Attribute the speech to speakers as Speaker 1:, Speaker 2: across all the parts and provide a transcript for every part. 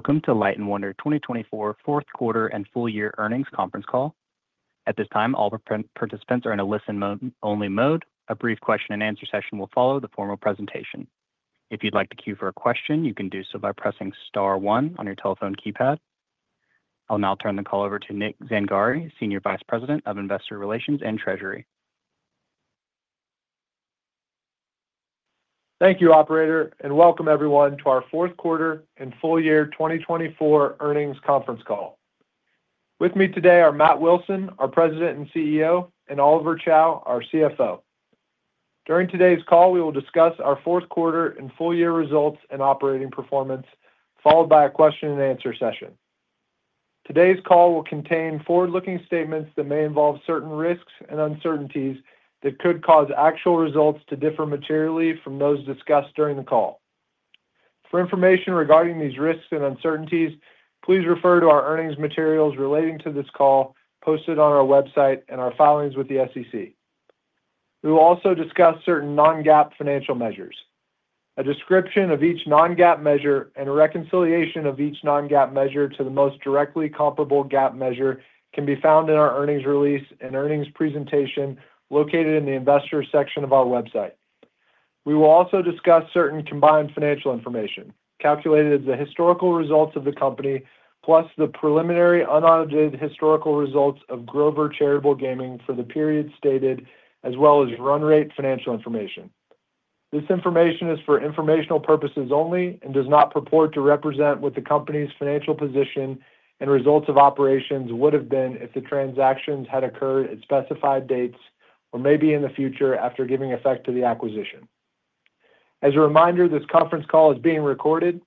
Speaker 1: Welcome to Light & Wonder 2024 Fourth Quarter and Full Year Earnings Conference Call. At this time, all participants are in a listen-only mode. A brief question-and-answer session will follow the formal presentation. If you'd like to queue for a question, you can do so by pressing star one on your telephone keypad. I'll now turn the call over to Nick Zangari, Senior Vice President of Investor Relations and Treasury.
Speaker 2: Thank you, Operator, and welcome everyone to our Fourth Quarter and Full Year 2024 Earnings Conference Call. With me today are Matt Wilson, our President and CEO, and Oliver Chow, our CFO. During today's call, we will discuss our Fourth Quarter and Full Year results and operating performance, followed by a question-and-answer session. Today's call will contain forward-looking statements that may involve certain risks and uncertainties that could cause actual results to differ materially from those discussed during the call. For information regarding these risks and uncertainties, please refer to our earnings materials relating to this call posted on our website and our filings with the SEC. We will also discuss certain non-GAAP financial measures. A description of each non-GAAP measure and a reconciliation of each non-GAAP measure to the most directly comparable GAAP measure can be found in our earnings release and earnings presentation located in the Investor section of our website. We will also discuss certain combined financial information calculated as the historical results of the company, plus the preliminary unaudited historical results of Grover Charitable Gaming for the period stated, as well as run rate financial information. This information is for informational purposes only and does not purport to represent what the company's financial position and results of operations would have been if the transactions had occurred at specified dates or may be in the future after giving effect to the acquisition. As a reminder, this conference call is being recorded.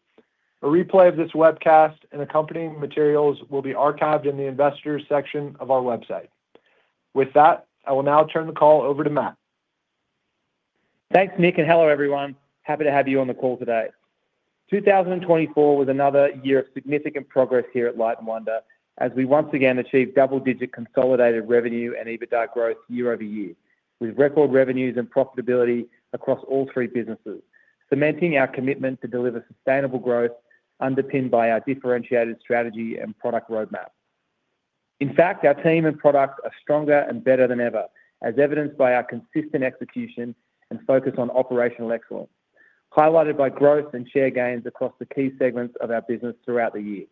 Speaker 2: A replay of this webcast and accompanying materials will be archived in the Investor section of our website. With that, I will now turn the call over to Matt.
Speaker 3: Thanks, Nick, and hello, everyone. Happy to have you on the call today. 2024 was another year of significant progress here at Light & Wonder, as we once again achieved double-digit consolidated revenue and EBITDA growth year over year, with record revenues and profitability across all three businesses, cementing our commitment to deliver sustainable growth underpinned by our differentiated strategy and product roadmap. In fact, our team and products are stronger and better than ever, as evidenced by our consistent execution and focus on operational excellence, highlighted by growth and share gains across the key segments of our business throughout the year.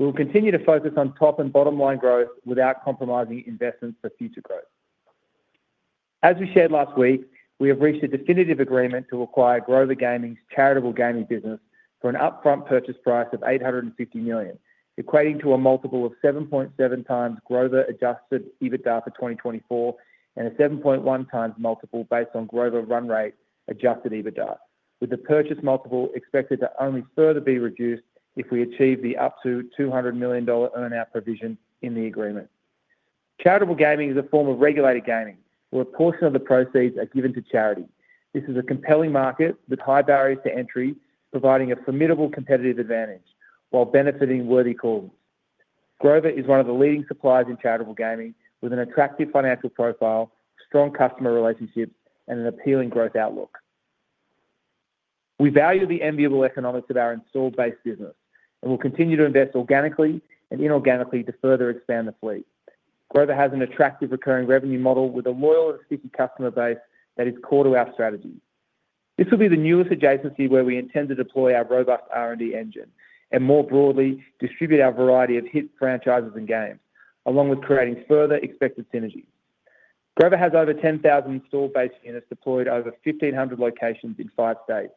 Speaker 3: We will continue to focus on top and bottom line growth without compromising investments for future growth. As we shared last week, we have reached a definitive agreement to acquire Grover Gaming's charitable gaming business for an upfront purchase price of $850 million, equating to a multiple of 7.7 times Grover Adjusted EBITDA for 2024 and a 7.1 times multiple based on Grover run rate Adjusted EBITDA, with the purchase multiple expected to only further be reduced if we achieve the up to $200 million earn-out provision in the agreement. Charitable gaming is a form of regulated gaming, where a portion of the proceeds are given to charity. This is a compelling market with high barriers to entry, providing a formidable competitive advantage while benefiting worthy causes. Grover is one of the leading suppliers in charitable gaming, with an attractive financial profile, strong customer relationships, and an appealing growth outlook. We value the enviable economics of our installed base business and will continue to invest organically and inorganically to further expand the fleet. Grover has an attractive recurring revenue model with a loyal and sticky customer base that is core to our strategy. This will be the newest adjacency where we intend to deploy our robust R&D engine and, more broadly, distribute our variety of hit franchises and games, along with creating further expected synergies. Grover has over 10,000 installed base units deployed over 1,500 locations in five states.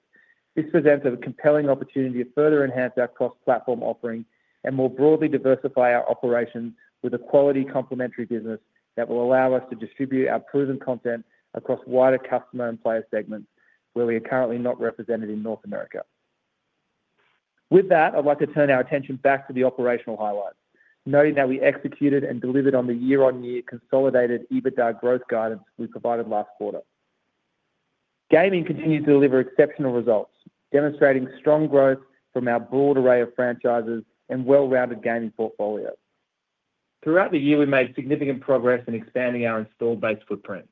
Speaker 3: This presents a compelling opportunity to further enhance our cross-platform offering and, more broadly, diversify our operations with a quality complementary business that will allow us to distribute our proven content across wider customer and player segments, where we are currently not represented in North America. With that, I'd like to turn our attention back to the operational highlights, noting that we executed and delivered on the year-on-year consolidated EBITDA growth guidance we provided last quarter. Gaming continues to deliver exceptional results, demonstrating strong growth from our broad array of franchises and well-rounded gaming portfolio. Throughout the year, we made significant progress in expanding our installed base footprint.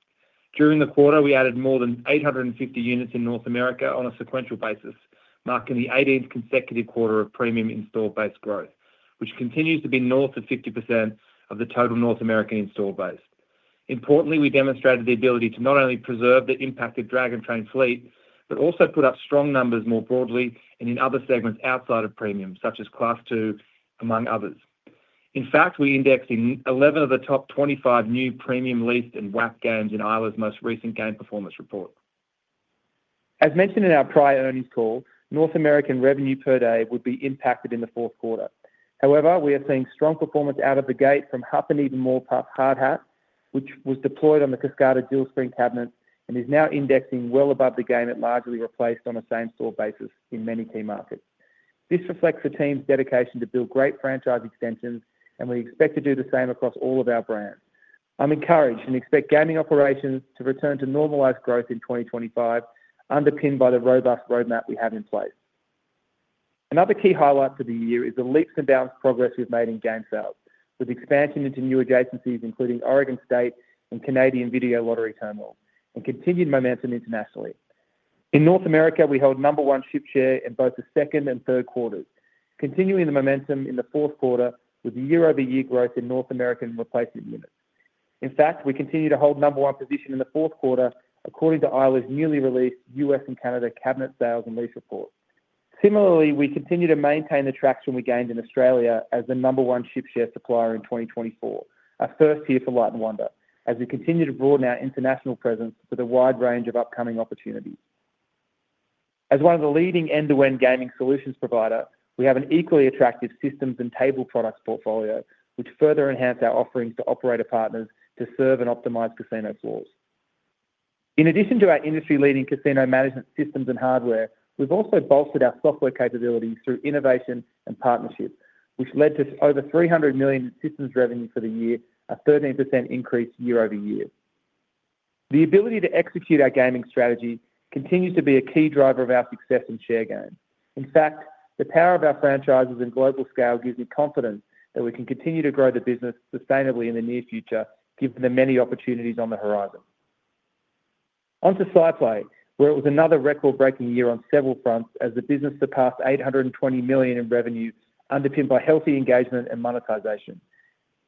Speaker 3: During the quarter, we added more than 850 units in North America on a sequential basis, marking the 18th consecutive quarter of premium installed base growth, which continues to be north of 50% of the total North American installed base. Importantly, we demonstrated the ability to not only preserve the impact of Dragon Train fleet, but also put up strong numbers more broadly and in other segments outside of premium, such as Class II, among others. In fact, we indexed 11 of the top 25 new premium leased and WAP games in Eilers most recent game performance report. As mentioned in our prior earnings call, North American revenue per day would be impacted in the fourth quarter. However, we are seeing strong performance out of the gate from Huff N' Even More Puff, Hard Hat, which was deployed on the Kascada Dual Screen cabinets and is now indexing well above the game it largely replaced on a same-store basis in many key markets. This reflects the team's dedication to build great franchise extensions, and we expect to do the same across all of our brands. I'm encouraged and expect gaming operations to return to normalized growth in 2025, underpinned by the robust roadmap we have in place. Another key highlight for the year is the leaps and bounds progress we've made in game sales, with expansion into new adjacencies, including Oregon State and Canadian video lottery terminals, and continued momentum internationally. In North America, we held number one ship share in both the second and third quarters, continuing the momentum in the fourth quarter with year-over-year growth in North American replacement units. In fact, we continue to hold number one position in the fourth quarter, according to Eilers newly released U.S. and Canada cabinet sales and lease report. Similarly, we continue to maintain the traction we gained in Australia as the number one ship share supplier in 2024, our first year for Light & Wonder, as we continue to broaden our international presence for the wide range of upcoming opportunities. As one of the leading end-to-end gaming solutions providers, we have an equally attractive systems and table products portfolio, which further enhance our offerings to operator partners to serve and optimize casino floors. In addition to our industry-leading casino management systems and hardware, we've also bolstered our software capabilities through innovation and partnerships, which led to over $300 million in systems revenue for the year, a 13% increase year over year. The ability to execute our gaming strategy continues to be a key driver of our success in share gains. In fact, the power of our franchises and global scale gives me confidence that we can continue to grow the business sustainably in the near future, given the many opportunities on the horizon. Onto SciPlay, where it was another record-breaking year on several fronts as the business surpassed $820 million in revenue, underpinned by healthy engagement and monetization.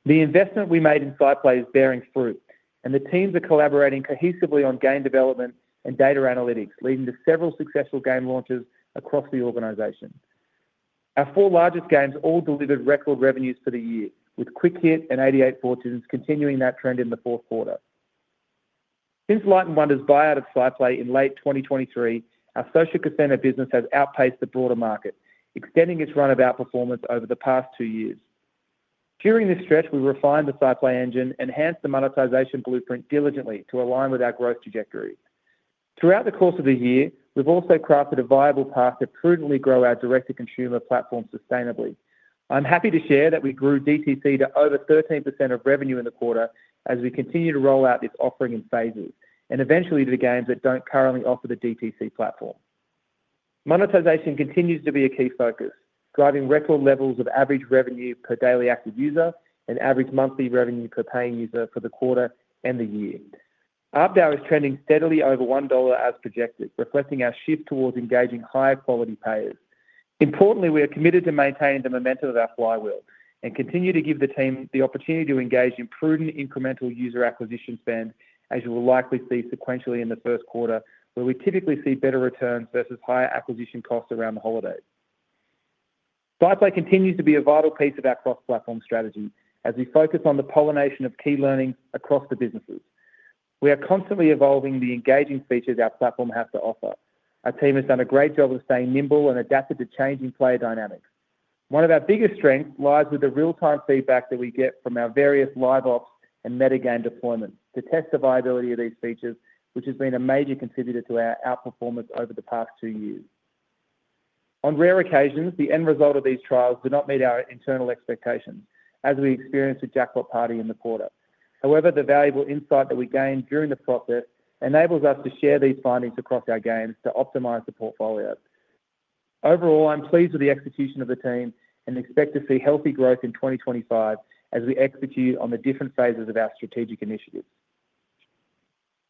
Speaker 3: The investment we made in SciPlay is bearing fruit, and the teams are collaborating cohesively on game development and data analytics, leading to several successful game launches across the organization. Our four largest games all delivered record revenues for the year, with Quick Hit and 88 Fortunes continuing that trend in the fourth quarter. Since Light & Wonder's buyout of SciPlay in late 2023, our social casino business has outpaced the broader market, extending its runaway performance over the past two years. During this stretch, we refined the SciPlay engine and enhanced the monetization blueprint diligently to align with our growth trajectory. Throughout the course of the year, we've also crafted a viable path to prudently grow our direct-to-consumer platform sustainably. I'm happy to share that we grew DTC to over 13% of revenue in the quarter as we continue to roll out this offering in phases and eventually to the games that don't currently offer the DTC platform. Monetization continues to be a key focus, driving record levels of average revenue per daily active user and average monthly revenue per paying user for the quarter and the year. Our DAU is trending steadily over $1 as projected, reflecting our shift towards engaging higher-quality players. Importantly, we are committed to maintaining the momentum of our flywheel and continue to give the team the opportunity to engage in prudent incremental user acquisition spend, as you will likely see sequentially in the first quarter, where we typically see better returns versus higher acquisition costs around the holidays. SciPlay continues to be a vital piece of our cross-platform strategy as we focus on the pollination of key learnings across the businesses. We are constantly evolving the engaging features our platform has to offer. Our team has done a great job of staying nimble and adapted to changing player dynamics. One of our biggest strengths lies with the real-time feedback that we get from our various live ops and meta game deployments to test the viability of these features, which has been a major contributor to our outperformance over the past two years. On rare occasions, the end result of these trials did not meet our internal expectations, as we experienced with Jackpot Party in the quarter. However, the valuable insight that we gained during the process enables us to share these findings across our games to optimize the portfolio. Overall, I'm pleased with the execution of the team and expect to see healthy growth in 2025 as we execute on the different phases of our strategic initiatives.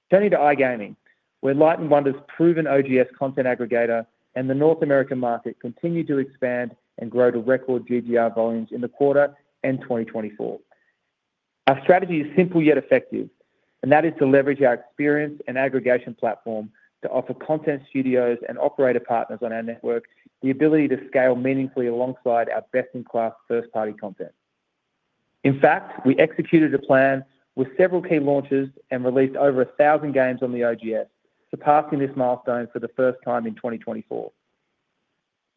Speaker 3: Turning to iGaming, where Light & Wonder's proven OGS content aggregator and the North American market continue to expand and grow to record GGR volumes in the quarter and 2024. Our strategy is simple yet effective, and that is to leverage our experience and aggregation platform to offer content studios and operator partners on our network the ability to scale meaningfully alongside our best-in-class first-party content. In fact, we executed a plan with several key launches and released over 1,000 games on the OGS, surpassing this milestone for the first time in 2024.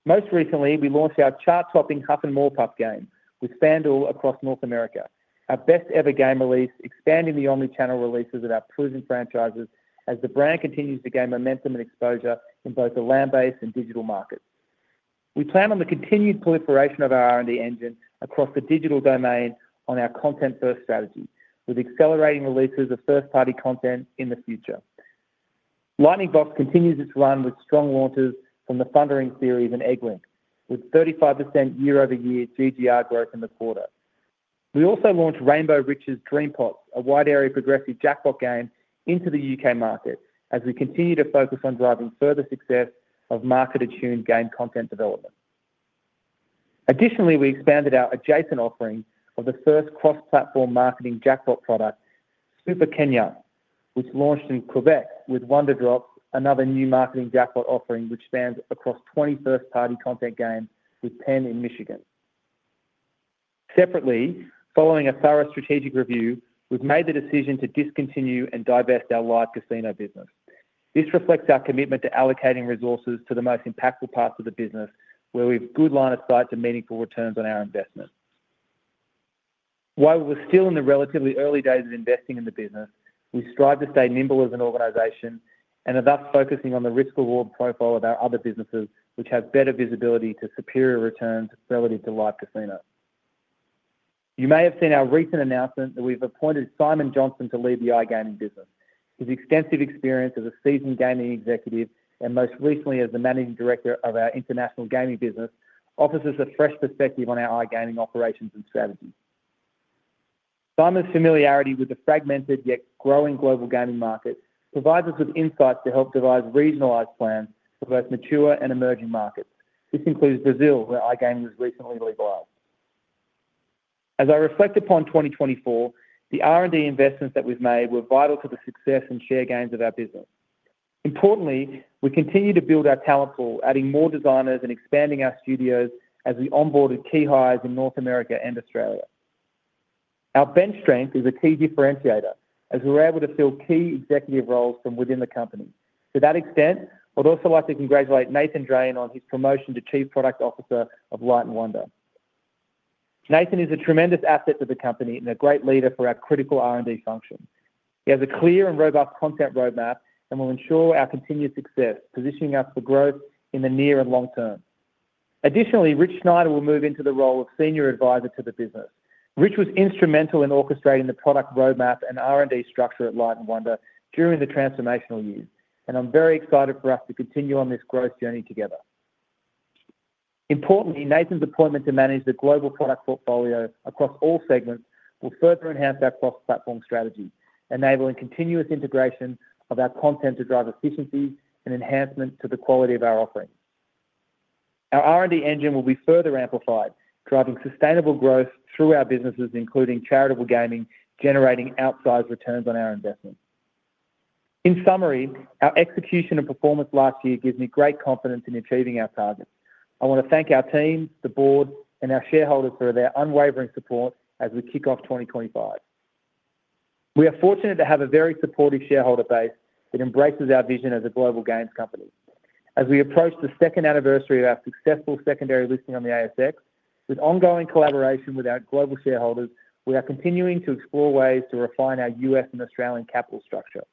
Speaker 3: Most recently, we launched our chart-topping Huff N' More Puff game with FanDuel across North America, our best-ever game release, expanding the omnichannel releases of our proven franchises as the brand continues to gain momentum and exposure in both the land-based and digital markets. We plan on the continued proliferation of our R&D engine across the digital domain on our content-first strategy, with accelerating releases of first-party content in the future. Lightning Box continues its run with strong launches from the Thundering Series and Egg Link, with 35% year-over-year GGR growth in the quarter. We also launched Rainbow Riches Dream Pots, a wide-area progressive jackpot game, into the UK market as we continue to focus on driving further success of market-attuned game content development. Additionally, we expanded our adjacent offering of the first cross-platform marketing jackpot product, Super Keno, which launched in Quebec with Wonder Drops, another new marketing jackpot offering which spans across 20 first-party content games with Penn in Michigan. Separately, following a thorough strategic review, we've made the decision to discontinue and divest our live casino business. This reflects our commitment to allocating resources to the most impactful parts of the business, where we have good line of sight to meaningful returns on our investment. While we're still in the relatively early days of investing in the business, we strive to stay nimble as an organization and are thus focusing on the risk-reward profile of our other businesses, which have better visibility to superior returns relative to live casino. You may have seen our recent announcement that we've appointed Simon Johnson to lead the iGaming business. His extensive experience as a seasoned gaming executive and most recently as the managing director of our international gaming business offers us a fresh perspective on our iGaming operations and strategy. Simon's familiarity with the fragmented yet growing global gaming market provides us with insights to help devise regionalized plans for both mature and emerging markets. This includes Brazil, where iGaming was recently legalized. As I reflect upon 2024, the R&D investments that we've made were vital to the success and share gains of our business. Importantly, we continue to build our talent pool, adding more designers and expanding our studios as we onboarded key hires in North America and Australia. Our bench strength is a key differentiator as we're able to fill key executive roles from within the company. To that extent, I'd also like to congratulate Nathan Drane on his promotion to Chief Product Officer of Light & Wonder. Nathan is a tremendous asset to the company and a great leader for our critical R&D function. He has a clear and robust content roadmap and will ensure our continued success, positioning us for growth in the near and long term. Additionally, Rich Schneider will move into the role of Senior Advisor to the business. Rich was instrumental in orchestrating the product roadmap and R&D structure at Light & Wonder during the transformational years, and I'm very excited for us to continue on this growth journey together. Importantly, Nathan's appointment to manage the global product portfolio across all segments will further enhance our cross-platform strategy, enabling continuous integration of our content to drive efficiency and enhancement to the quality of our offerings. Our R&D engine will be further amplified, driving sustainable growth through our businesses, including charitable gaming, generating outsized returns on our investments. In summary, our execution and performance last year gives me great confidence in achieving our targets. I want to thank our team, the board, and our shareholders for their unwavering support as we kick off 2025. We are fortunate to have a very supportive shareholder base that embraces our vision as a global games company. As we approach the second anniversary of our successful secondary listing on the ASX, with ongoing collaboration with our global shareholders, we are continuing to explore ways to refine our US and Australian capital structure.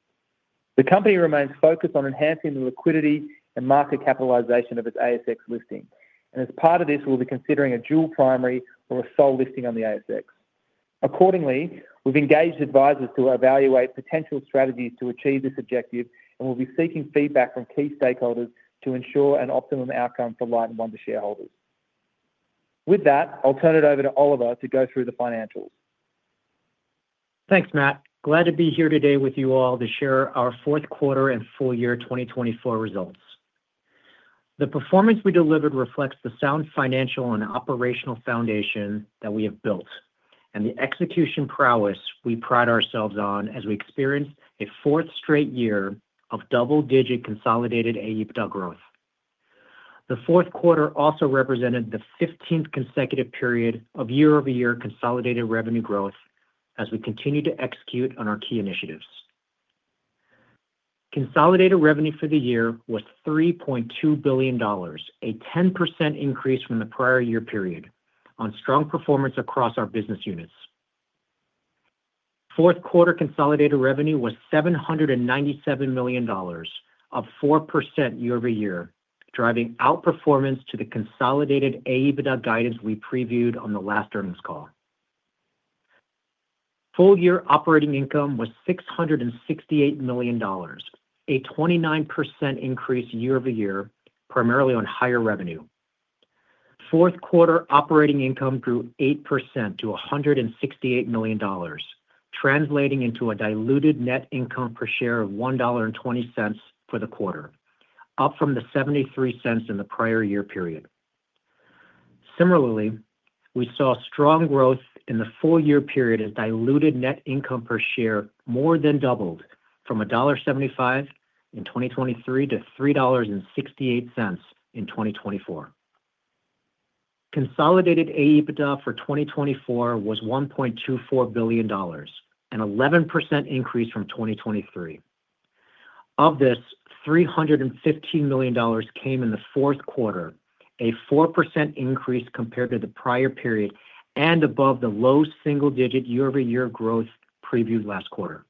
Speaker 3: The company remains focused on enhancing the liquidity and market capitalization of its ASX listing, and as part of this, we'll be considering a dual primary or a sole listing on the ASX. Accordingly, we've engaged advisors to evaluate potential strategies to achieve this objective and will be seeking feedback from key stakeholders to ensure an optimum outcome for Light & Wonder shareholders. With that, I'll turn it over to Oliver to go through the financials.
Speaker 4: Thanks, Matt. Glad to be here today with you all to share our fourth quarter and full year 2024 results. The performance we delivered reflects the sound financial and operational foundation that we have built and the execution prowess we pride ourselves on as we experienced a fourth straight year of double-digit consolidated AEBITDA growth. The fourth quarter also represented the 15th consecutive period of year-over-year consolidated revenue growth as we continue to execute on our key initiatives. Consolidated revenue for the year was $3.2 billion, a 10% increase from the prior year period, on strong performance across our business units. Fourth quarter consolidated revenue was $797 million, up 4% year-over-year, driving outperformance to the consolidated Adjusted EBITDA guidance we previewed on the last earnings call. Full year operating income was $668 million, a 29% increase year-over-year, primarily on higher revenue. Fourth quarter operating income grew 8% to $168 million, translating into a diluted net income per share of $1.20 for the quarter, up from the $0.73 in the prior year period. Similarly, we saw strong growth in the full year period as diluted net income per share more than doubled from $1.75 in 2023 to $3.68 in 2024. Consolidated Adjusted EBITDA for 2024 was $1.24 billion, an 11% increase from 2023. Of this, $315 million came in the fourth quarter, a 4% increase compared to the prior period and above the low single-digit year-over-year growth previewed last quarter.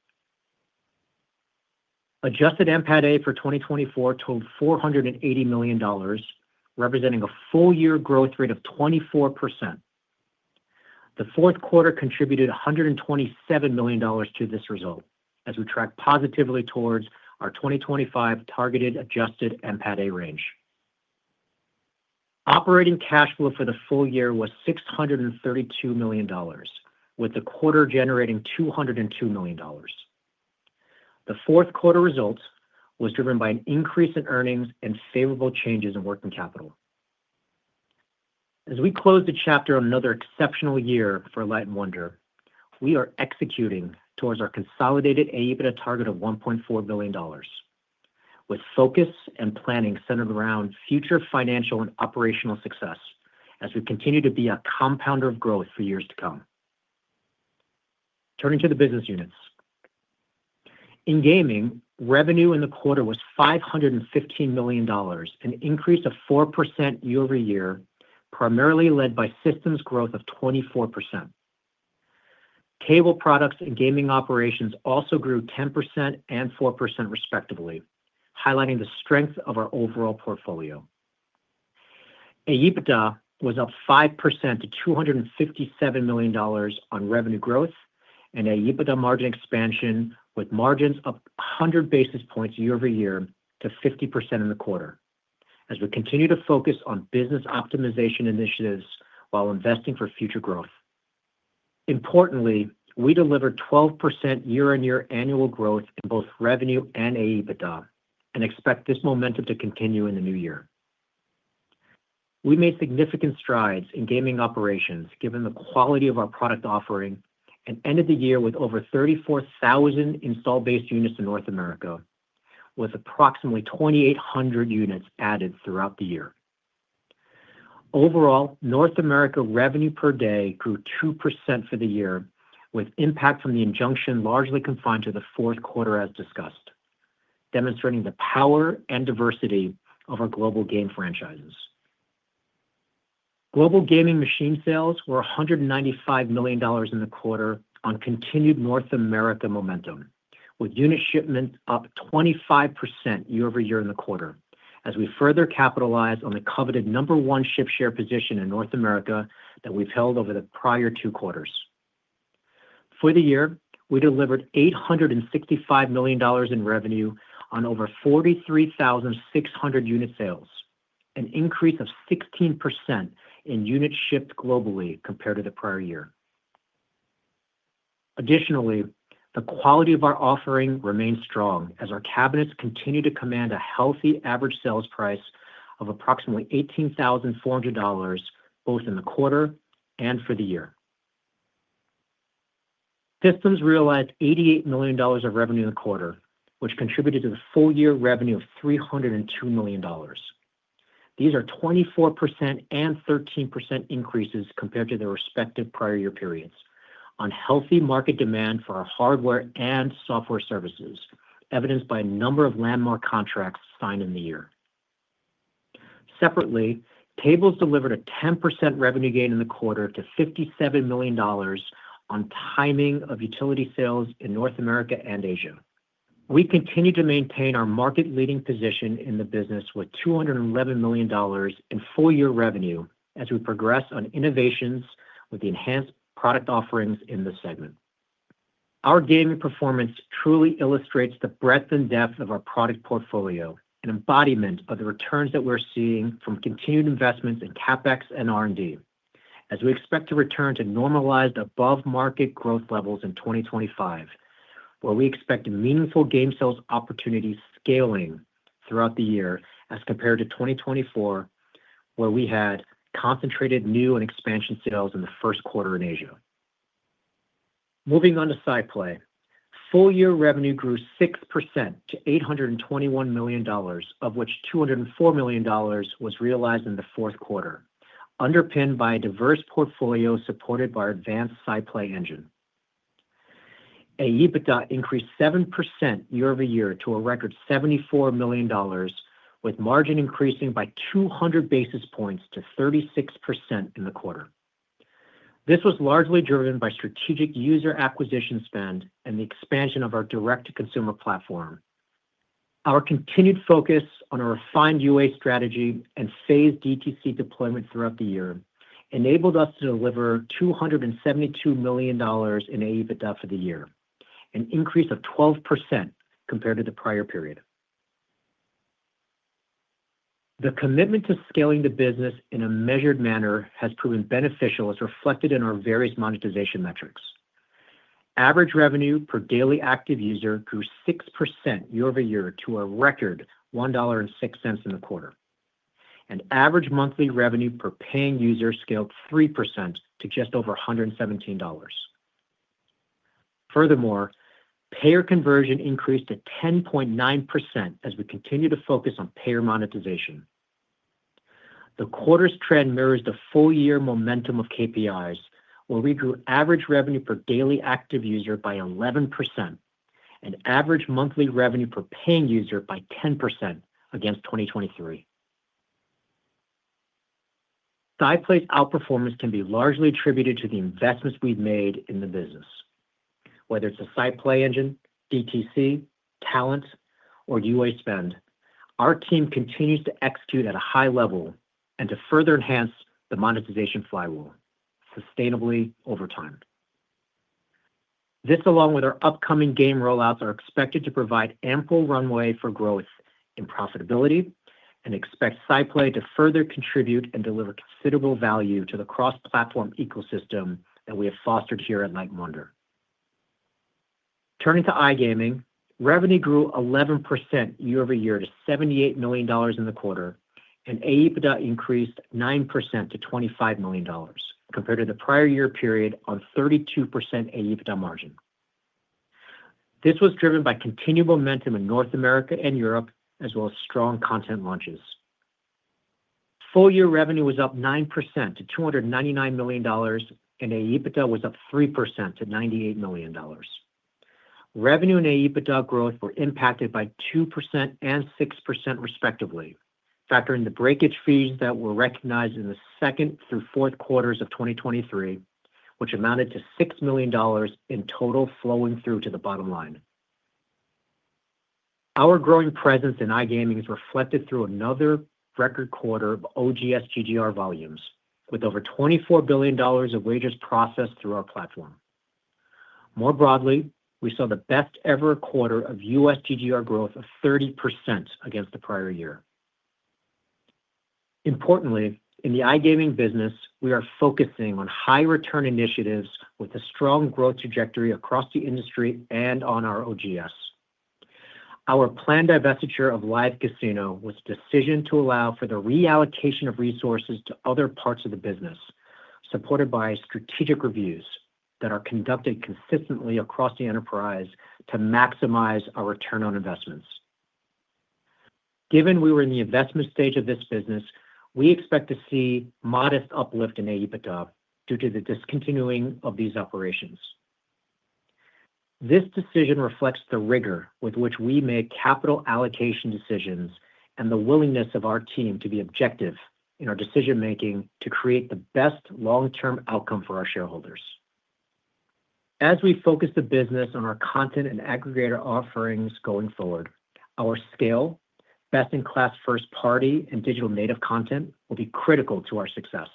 Speaker 4: Adjusted NPATA for 2024 totaled $480 million, representing a full year growth rate of 24%. The fourth quarter contributed $127 million to this result as we track positively towards our 2025 targeted adjusted NPATA range. Operating cash flow for the full year was $632 million, with the quarter generating $202 million. The fourth quarter result was driven by an increase in earnings and favorable changes in working capital. As we close the chapter on another exceptional year for Light & Wonder, we are executing towards our consolidated Adjusted EBITDA target of $1.4 billion, with focus and planning centered around future financial and operational success as we continue to be a compounder of growth for years to come. Turning to the business units. In gaming, revenue in the quarter was $515 million, an increase of 4% year-over-year, primarily led by systems growth of 24%. Table products and gaming operations also grew 10% and 4% respectively, highlighting the strength of our overall portfolio. Adjusted EBITDA was up 5% to $257 million on revenue growth and Adjusted EBITDA margin expansion, with margins up 100 basis points year-over-year to 50% in the quarter, as we continue to focus on business optimization initiatives while investing for future growth. Importantly, we delivered 12% year-on-year annual growth in both revenue and Adjusted EBITDA and expect this momentum to continue in the new year. We made significant strides in gaming operations given the quality of our product offering and ended the year with over 34,000 installed base units in North America, with approximately 2,800 units added throughout the year. Overall, North America revenue per day grew 2% for the year, with impact from the injunction largely confined to the fourth quarter as discussed, demonstrating the power and diversity of our global game franchises. Global gaming machine sales were $195 million in the quarter on continued North America momentum, with unit shipments up 25% year-over-year in the quarter, as we further capitalized on the coveted number one ship share position in North America that we've held over the prior two quarters. For the year, we delivered $865 million in revenue on over 43,600 unit sales, an increase of 16% in units shipped globally compared to the prior year. Additionally, the quality of our offering remained strong as our cabinets continued to command a healthy average sales price of approximately $18,400 both in the quarter and for the year. Systems realized $88 million of revenue in the quarter, which contributed to the full year revenue of $302 million. These are 24% and 13% increases compared to their respective prior year periods on healthy market demand for our hardware and software services, evidenced by a number of landmark contracts signed in the year. Separately, tables delivered a 10% revenue gain in the quarter to $57 million on timing of utility sales in North America and Asia. We continue to maintain our market-leading position in the business with $211 million in full year revenue as we progress on innovations with the enhanced product offerings in this segment. Our gaming performance truly illustrates the breadth and depth of our product portfolio, an embodiment of the returns that we're seeing from continued investments in CapEx and R&D, as we expect to return to normalized above-market growth levels in 2025, where we expect meaningful game sales opportunities scaling throughout the year as compared to 2024, where we had concentrated new and expansion sales in the first quarter in Asia. Moving on to SciPlay, full year revenue grew 6% to $821 million, of which $204 million was realized in the fourth quarter, underpinned by a diverse portfolio supported by our advanced SciPlay engine. Adjusted EBITDA increased 7% year-over-year to a record $74 million, with margin increasing by 200 basis points to 36% in the quarter. This was largely driven by strategic user acquisition spend and the expansion of our direct-to-consumer platform. Our continued focus on a refined UA strategy and phased DTC deployment throughout the year enabled us to deliver $272 million in AEBITDA for the year, an increase of 12% compared to the prior period. The commitment to scaling the business in a measured manner has proven beneficial, as reflected in our various monetization metrics. Average revenue per daily active user grew 6% year-over-year to a record $1.06 in the quarter, and average monthly revenue per paying user scaled 3% to just over $117. Furthermore, payer conversion increased to 10.9% as we continue to focus on payer monetization. The quarter's trend mirrors the full year momentum of KPIs, where we grew average revenue per daily active user by 11% and average monthly revenue per paying user by 10% against 2023. SciPlay's outperformance can be largely attributed to the investments we've made in the business. Whether it's a SciPlay engine, DTC, talent, or UA spend, our team continues to execute at a high level and to further enhance the monetization flywheel sustainably over time. This, along with our upcoming game rollouts, are expected to provide ample runway for growth and profitability, and expect SciPlay to further contribute and deliver considerable value to the cross-platform ecosystem that we have fostered here at Light & Wonder. Turning to iGaming, revenue grew 11% year-over-year to $78 million in the quarter, and AEBITDA increased 9% to $25 million compared to the prior year period on 32% AEBITDA margin. This was driven by continued momentum in North America and Europe, as well as strong content launches. Full year revenue was up 9% to $299 million, and AEBITDA was up 3% to $98 million. Revenue and Adjusted EBITDA growth were impacted by 2% and 6% respectively, factoring the breakage fees that were recognized in the second through fourth quarters of 2023, which amounted to $6 million in total flowing through to the bottom line. Our growing presence in iGaming is reflected through another record quarter of OGS GGR volumes, with over $24 billion of wagers processed through our platform. More broadly, we saw the best-ever quarter of U.S. GGR growth of 30% against the prior year. Importantly, in the iGaming business, we are focusing on high-return initiatives with a strong growth trajectory across the industry and on our OGS. Our planned divestiture of Live Casino was a decision to allow for the reallocation of resources to other parts of the business, supported by strategic reviews that are conducted consistently across the enterprise to maximize our return on investments. Given we were in the investment stage of this business, we expect to see modest uplift in Adjusted EBITDA due to the discontinuing of these operations. This decision reflects the rigor with which we make capital allocation decisions and the willingness of our team to be objective in our decision-making to create the best long-term outcome for our shareholders. As we focus the business on our content and aggregator offerings going forward, our scale, best-in-class first-party, and digital native content will be critical to our success.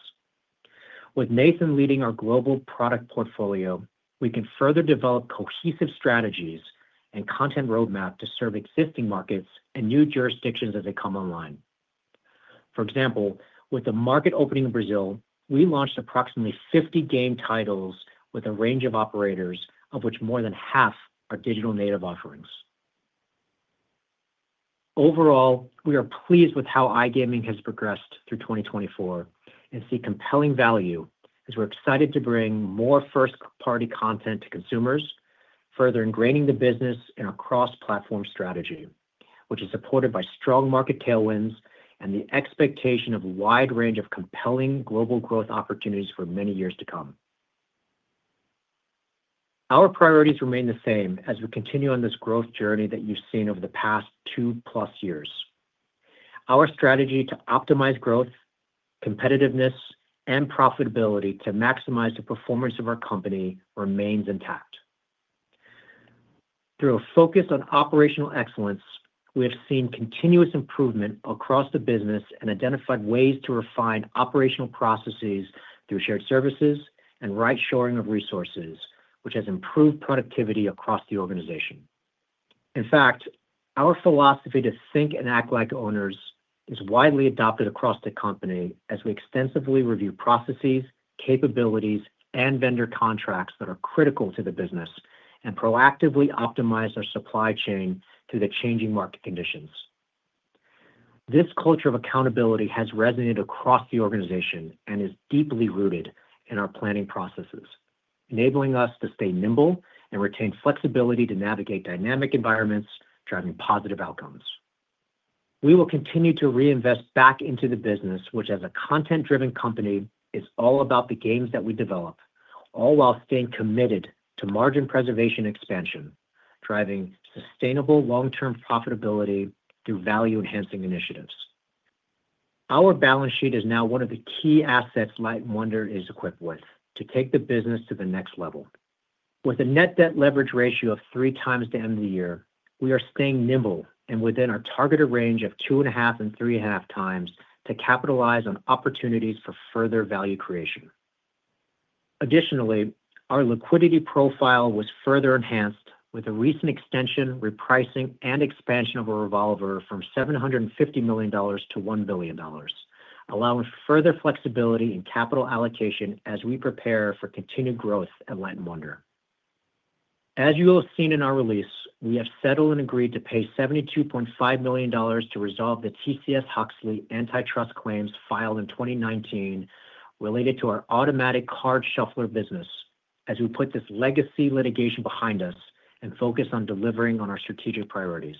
Speaker 4: With Nathan leading our global product portfolio, we can further develop cohesive strategies and content roadmap to serve existing markets and new jurisdictions as they come online. For example, with the market opening in Brazil, we launched approximately 50 game titles with a range of operators, of which more than half are digital native offerings. Overall, we are pleased with how iGaming has progressed through 2024 and see compelling value as we're excited to bring more first-party content to consumers, further ingraining the business in our cross-platform strategy, which is supported by strong market tailwinds and the expectation of a wide range of compelling global growth opportunities for many years to come. Our priorities remain the same as we continue on this growth journey that you've seen over the past two-plus years. Our strategy to optimize growth, competitiveness, and profitability to maximize the performance of our company remains intact. Through a focus on operational excellence, we have seen continuous improvement across the business and identified ways to refine operational processes through shared services and right-shoring of resources, which has improved productivity across the organization. In fact, our philosophy to think and act like owners is widely adopted across the company as we extensively review processes, capabilities, and vendor contracts that are critical to the business and proactively optimize our supply chain through the changing market conditions. This culture of accountability has resonated across the organization and is deeply rooted in our planning processes, enabling us to stay nimble and retain flexibility to navigate dynamic environments driving positive outcomes. We will continue to reinvest back into the business, which, as a content-driven company, is all about the games that we develop, all while staying committed to margin preservation expansion, driving sustainable long-term profitability through value-enhancing initiatives. Our balance sheet is now one of the key assets Light & Wonder is equipped with to take the business to the next level. With a net debt leverage ratio of three times to end of the year, we are staying nimble and within our targeted range of two and a half and three and a half times to capitalize on opportunities for further value creation. Additionally, our liquidity profile was further enhanced with a recent extension, repricing, and expansion of a revolver from $750 million to $1 billion, allowing further flexibility in capital allocation as we prepare for continued growth at Light & Wonder. As you will have seen in our release, we have settled and agreed to pay $72.5 million to resolve the TCSJOHNHUXLEY antitrust claims filed in 2019 related to our automatic card shuffler business, as we put this legacy litigation behind us and focus on delivering on our strategic priorities.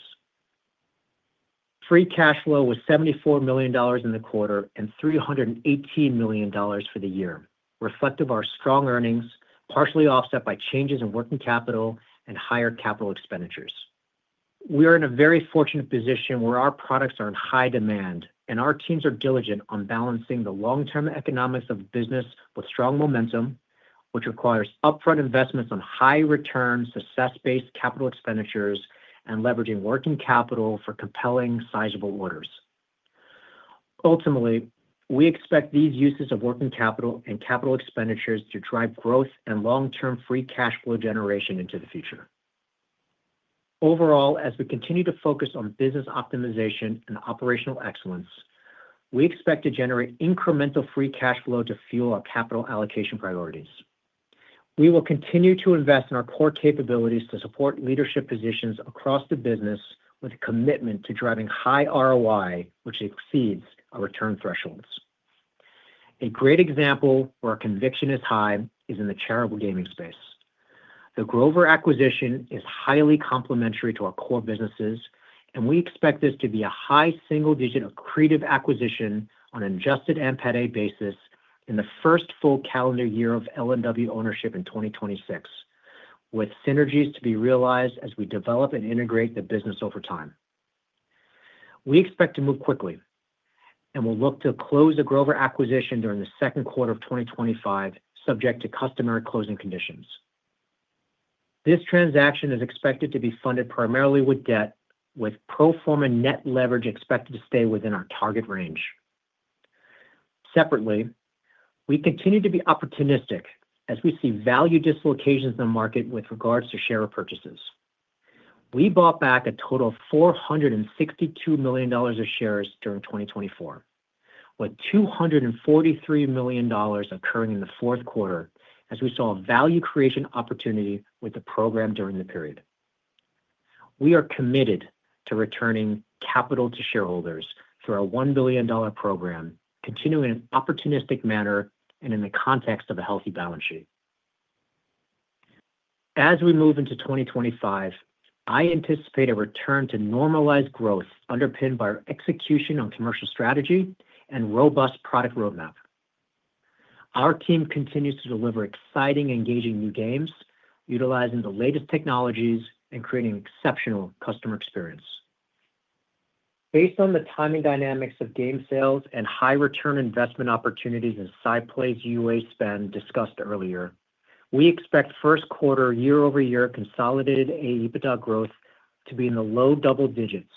Speaker 4: Free cash flow was $74 million in the quarter and $318 million for the year, reflective of our strong earnings, partially offset by changes in working capital and higher capital expenditures. We are in a very fortunate position where our products are in high demand, and our teams are diligent on balancing the long-term economics of the business with strong momentum, which requires upfront investments on high-return, success-based capital expenditures and leveraging working capital for compelling, sizable orders. Ultimately, we expect these uses of working capital and capital expenditures to drive growth and long-term free cash flow generation into the future. Overall, as we continue to focus on business optimization and operational excellence, we expect to generate incremental free cash flow to fuel our capital allocation priorities. We will continue to invest in our core capabilities to support leadership positions across the business with a commitment to driving high ROI, which exceeds our return thresholds. A great example where our conviction is high is in the charitable gaming space. The Grover acquisition is highly complementary to our core businesses, and we expect this to be a high single-digit accretive acquisition on an adjusted EBITDA basis in the first full calendar year of L&W ownership in 2026, with synergies to be realized as we develop and integrate the business over time. We expect to move quickly and will look to close the Grover acquisition during the second quarter of 2025, subject to customary closing conditions. This transaction is expected to be funded primarily with debt, with pro forma net leverage expected to stay within our target range. Separately, we continue to be opportunistic as we see value dislocations in the market with regards to share purchases. We bought back a total of $462 million of shares during 2024, with $243 million occurring in the fourth quarter as we saw a value creation opportunity with the program during the period. We are committed to returning capital to shareholders through our $1 billion program, continuing in an opportunistic manner and in the context of a healthy balance sheet. As we move into 2025, I anticipate a return to normalized growth underpinned by our execution on commercial strategy and robust product roadmap. Our team continues to deliver exciting, engaging new games, utilizing the latest technologies and creating exceptional customer experience. Based on the timing dynamics of game sales and high-return investment opportunities in SciPlay's UA spend discussed earlier, we expect first quarter year-over-year consolidated Adjusted EBITDA growth to be in the low double digits,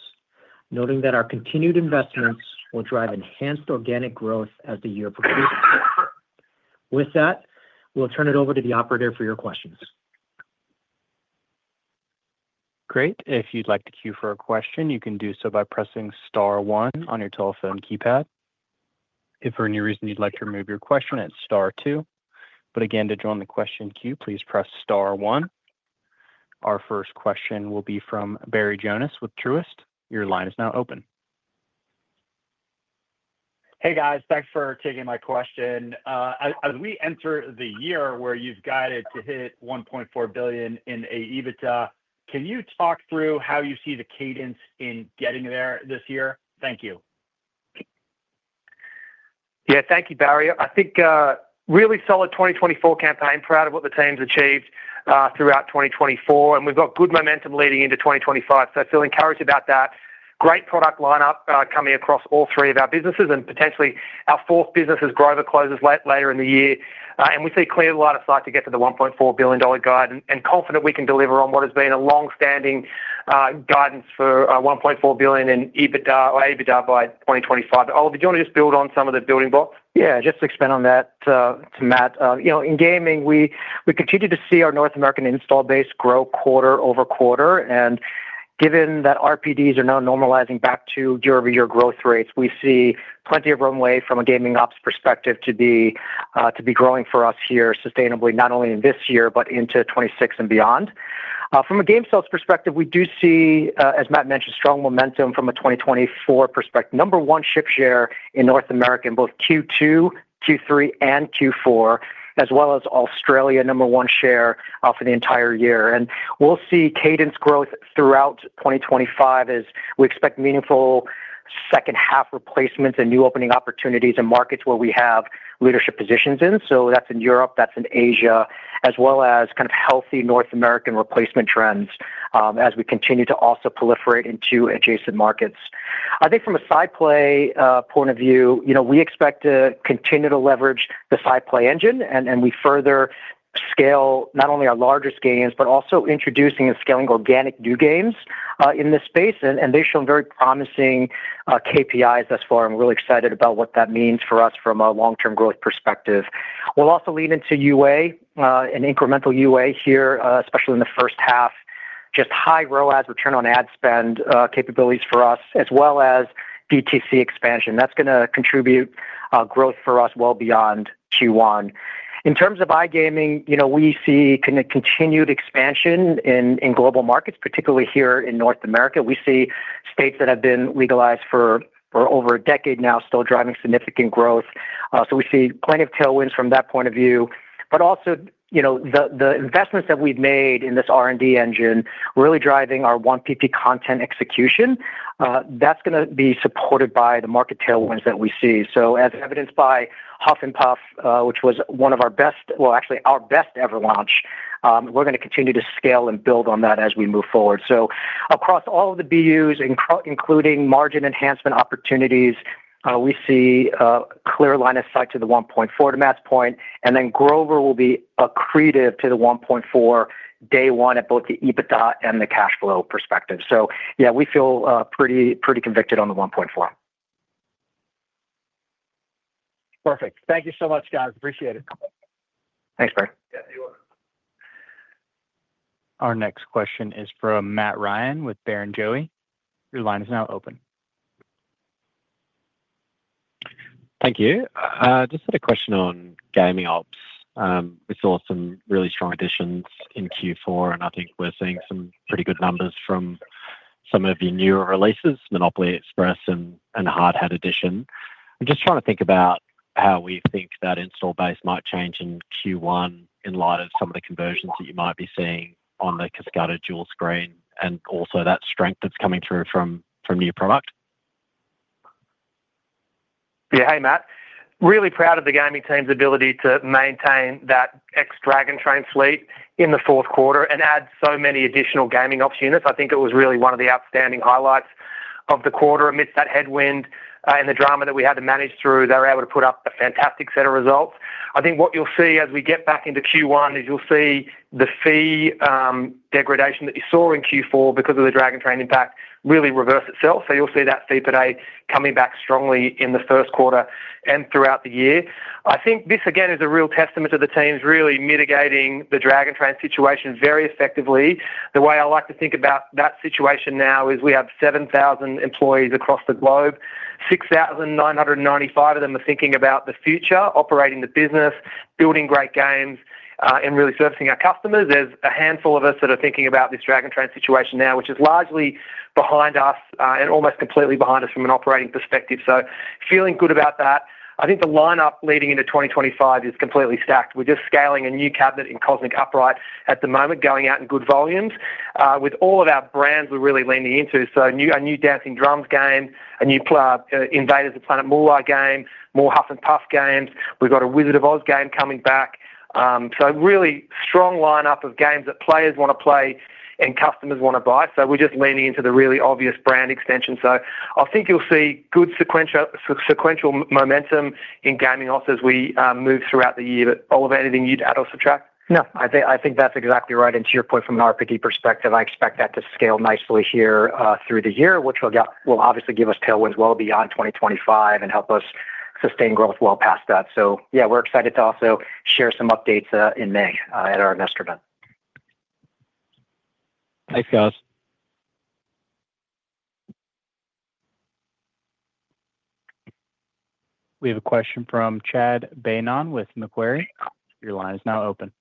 Speaker 4: noting that our continued investments will drive enhanced organic growth as the year progresses. With that, we'll turn it over to the operator for your questions.
Speaker 1: Great. If you'd like to queue for a question, you can do so by pressing Star 1 on your telephone keypad. If for any reason you'd like to remove your question, it's Star 2. But again, to join the question queue, please press Star 1. Our first question will be from Barry Jonas with Truist. Your line is now open.
Speaker 5: Hey, guys. Thanks for taking my question. As we enter the year where you've guided to hit $1.4 billion in AEBITDA, can you talk through how you see the cadence in getting there this year? Thank you.
Speaker 3: Yeah, thank you, Barry. I think really solid 2024 campaign, proud of what the team's achieved throughout 2024, and we've got good momentum leading into 2025. So I feel encouraged about that. Great product lineup coming across all three of our businesses, and potentially our fourth business if Grover closes later in the year. And we see clear line of sight to get to the $1.4 billion guide and confident we can deliver on what has been a long-standing guidance for $1.4 billion in AEBITDA by 2025. Oliver, do you want to just build on some of the building blocks?
Speaker 4: Yeah, just to expand on that, Matt, in gaming, we continue to see our North American installed base grow quarter over quarter. And given that RPDs are now normalizing back to year-over-year growth rates, we see plenty of runway from a gaming ops perspective to be growing for us here sustainably, not only in this year, but into 2026 and beyond. From a game sales perspective, we do see, as Matt mentioned, strong momentum from a 2024 perspective, number one ship share in North America in both Q2, Q3, and Q4, as well as Australia number one share for the entire year. And we'll see cadence growth throughout 2025 as we expect meaningful second-half replacements and new opening opportunities in markets where we have leadership positions in. So that's in Europe, that's in Asia, as well as kind of healthy North American replacement trends as we continue to also proliferate into adjacent markets. I think from a SciPlay point of view, we expect to continue to leverage the SciPlay Engine, and we further scale not only our largest games, but also introducing and scaling organic new games in this space. And they've shown very promising KPIs thus far, and we're really excited about what that means for us from a long-term growth perspective. We'll also lean into UA and incremental UA here, especially in the first half, just high ROAS return on ad spend capabilities for us, as well as DTC expansion. That's going to contribute growth for us well beyond Q1. In terms of iGaming, we see continued expansion in global markets, particularly here in North America. We see states that have been legalized for over a decade now still driving significant growth. So we see plenty of tailwinds from that point of view. But also the investments that we've made in this R&D engine really driving our 1PP content execution. That's going to be supported by the market tailwinds that we see. So as evidenced by Huff N' More Puff, which was one of our best, well, actually our best ever launch, we're going to continue to scale and build on that as we move forward. So across all of the BUs, including margin enhancement opportunities, we see a clear line of sight to the 1.4 to Matt's point, and then Grover will be accretive to the 1.4 day one at both the EBITDA and the cash flow perspective. So yeah, we feel pretty convicted on the 1.4.
Speaker 5: Perfect. Thank you so much, guys. Appreciate it.
Speaker 4: Thanks, Barry.
Speaker 5: Yeah, you're welcome.
Speaker 1: Our next question is from Matt Ryan with Barrenjoey. Your line is now open.
Speaker 6: Thank you. Just had a question on gaming ops. We saw some really strong additions in Q4, and I think we're seeing some pretty good numbers from some of your newer releases, Monopoly Express and Hard Hat Edition. I'm just trying to think about how we think that installed base might change in Q1 in light of some of the conversions that you might be seeing on the Kascada Dual Screen and also that strength that's coming through from new product.
Speaker 3: Yeah, hey, Matt. Really proud of the gaming team's ability to maintain that ex-Dragon Train fleet in the fourth quarter and add so many additional gaming ops units. I think it was really one of the outstanding highlights of the quarter amidst that headwind and the drama that we had to manage through. They were able to put up a fantastic set of results. I think what you'll see as we get back into Q1 is you'll see the fee degradation that you saw in Q4 because of the Dragon Train impact really reverse itself. So you'll see that fee per day coming back strongly in the first quarter and throughout the year. I think this, again, is a real testament to the team's really mitigating the Dragon Train situation very effectively. The way I like to think about that situation now is we have 7,000 employees across the globe. 6,995 of them are thinking about the future, operating the business, building great games, and really servicing our customers. There's a handful of us that are thinking about this Dragon Train situation now, which is largely behind us and almost completely behind us from an operating perspective. So feeling good about that. I think the lineup leading into 2025 is completely stacked. We're just scaling a new cabinet in Cosmic Upright at the moment, going out in good volumes with all of our brands we're really leaning into. So a new Dancing Drums game, a new Invaders from the Planet Moolah game, more Huff N' Puff games. We've got a Wizard of Oz game coming back. So really strong lineup of games that players want to play and customers want to buy. So we're just leaning into the really obvious brand extension. So I think you'll see good sequential momentum in gaming ops as we move throughout the year. Oliver, anything you'd add or subtract?
Speaker 4: No. I think that's exactly right. And to your point from an RPD perspective, I expect that to scale nicely here through the year, which will obviously give us tailwinds well beyond 2025 and help us sustain growth well past that. So yeah, we're excited to also share some updates in May at our investor event.
Speaker 6: Thanks, guys.
Speaker 1: We have a question from Chad Beynon with Macquarie. Your line is now open.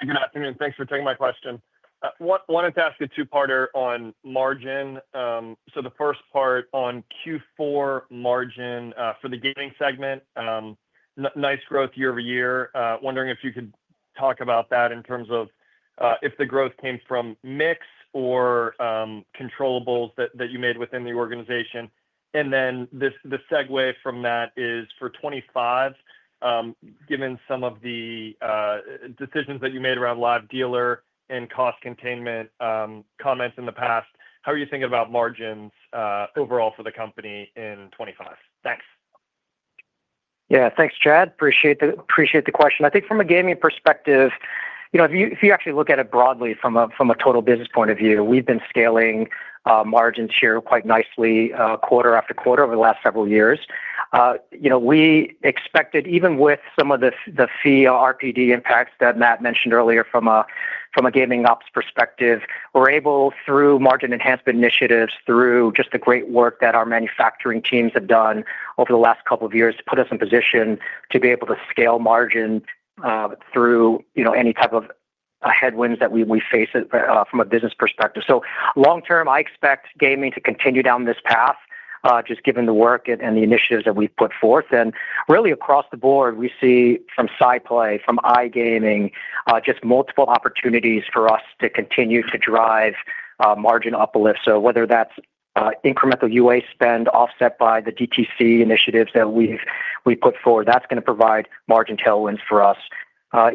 Speaker 7: Good afternoon. Thanks for taking my question. Wanted to ask a two-parter on margin. So the first part on Q4 margin for the gaming segment, nice growth year over year. Wondering if you could talk about that in terms of if the growth came from mix or controllable that you made within the organization. And then the segue from that is for 2025, given some of the decisions that you made around live dealer and cost containment comments in the past, how are you thinking about margins overall for the company in 2025? Thanks.
Speaker 4: Yeah, thanks, Chad. Appreciate the question. I think from a gaming perspective, if you actually look at it broadly from a total business point of view, we've been scaling margins here quite nicely quarter after quarter over the last several years. We expected, even with some of the fee RPD impacts that Matt mentioned earlier from a gaming ops perspective, we're able, through margin enhancement initiatives, through just the great work that our manufacturing teams have done over the last couple of years, to put us in position to be able to scale margin through any type of headwinds that we face from a business perspective. Long term, I expect gaming to continue down this path, just given the work and the initiatives that we've put forth. Really across the board, we see from SciPlay, from iGaming, just multiple opportunities for us to continue to drive margin uplift. So whether that's incremental UA spend offset by the DTC initiatives that we've put forward, that's going to provide margin tailwinds for us.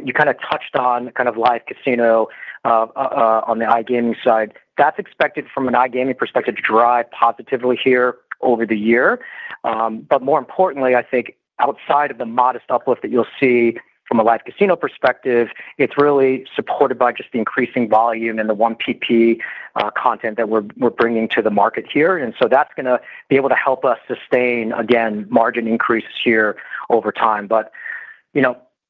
Speaker 4: You kind of touched on kind of live casino on the iGaming side. That's expected from an iGaming perspective to drive positively here over the year. But more importantly, I think outside of the modest uplift that you'll see from a live casino perspective, it's really supported by just the increasing volume and the 1PP content that we're bringing to the market here. And so that's going to be able to help us sustain, again, margin increases here over time. But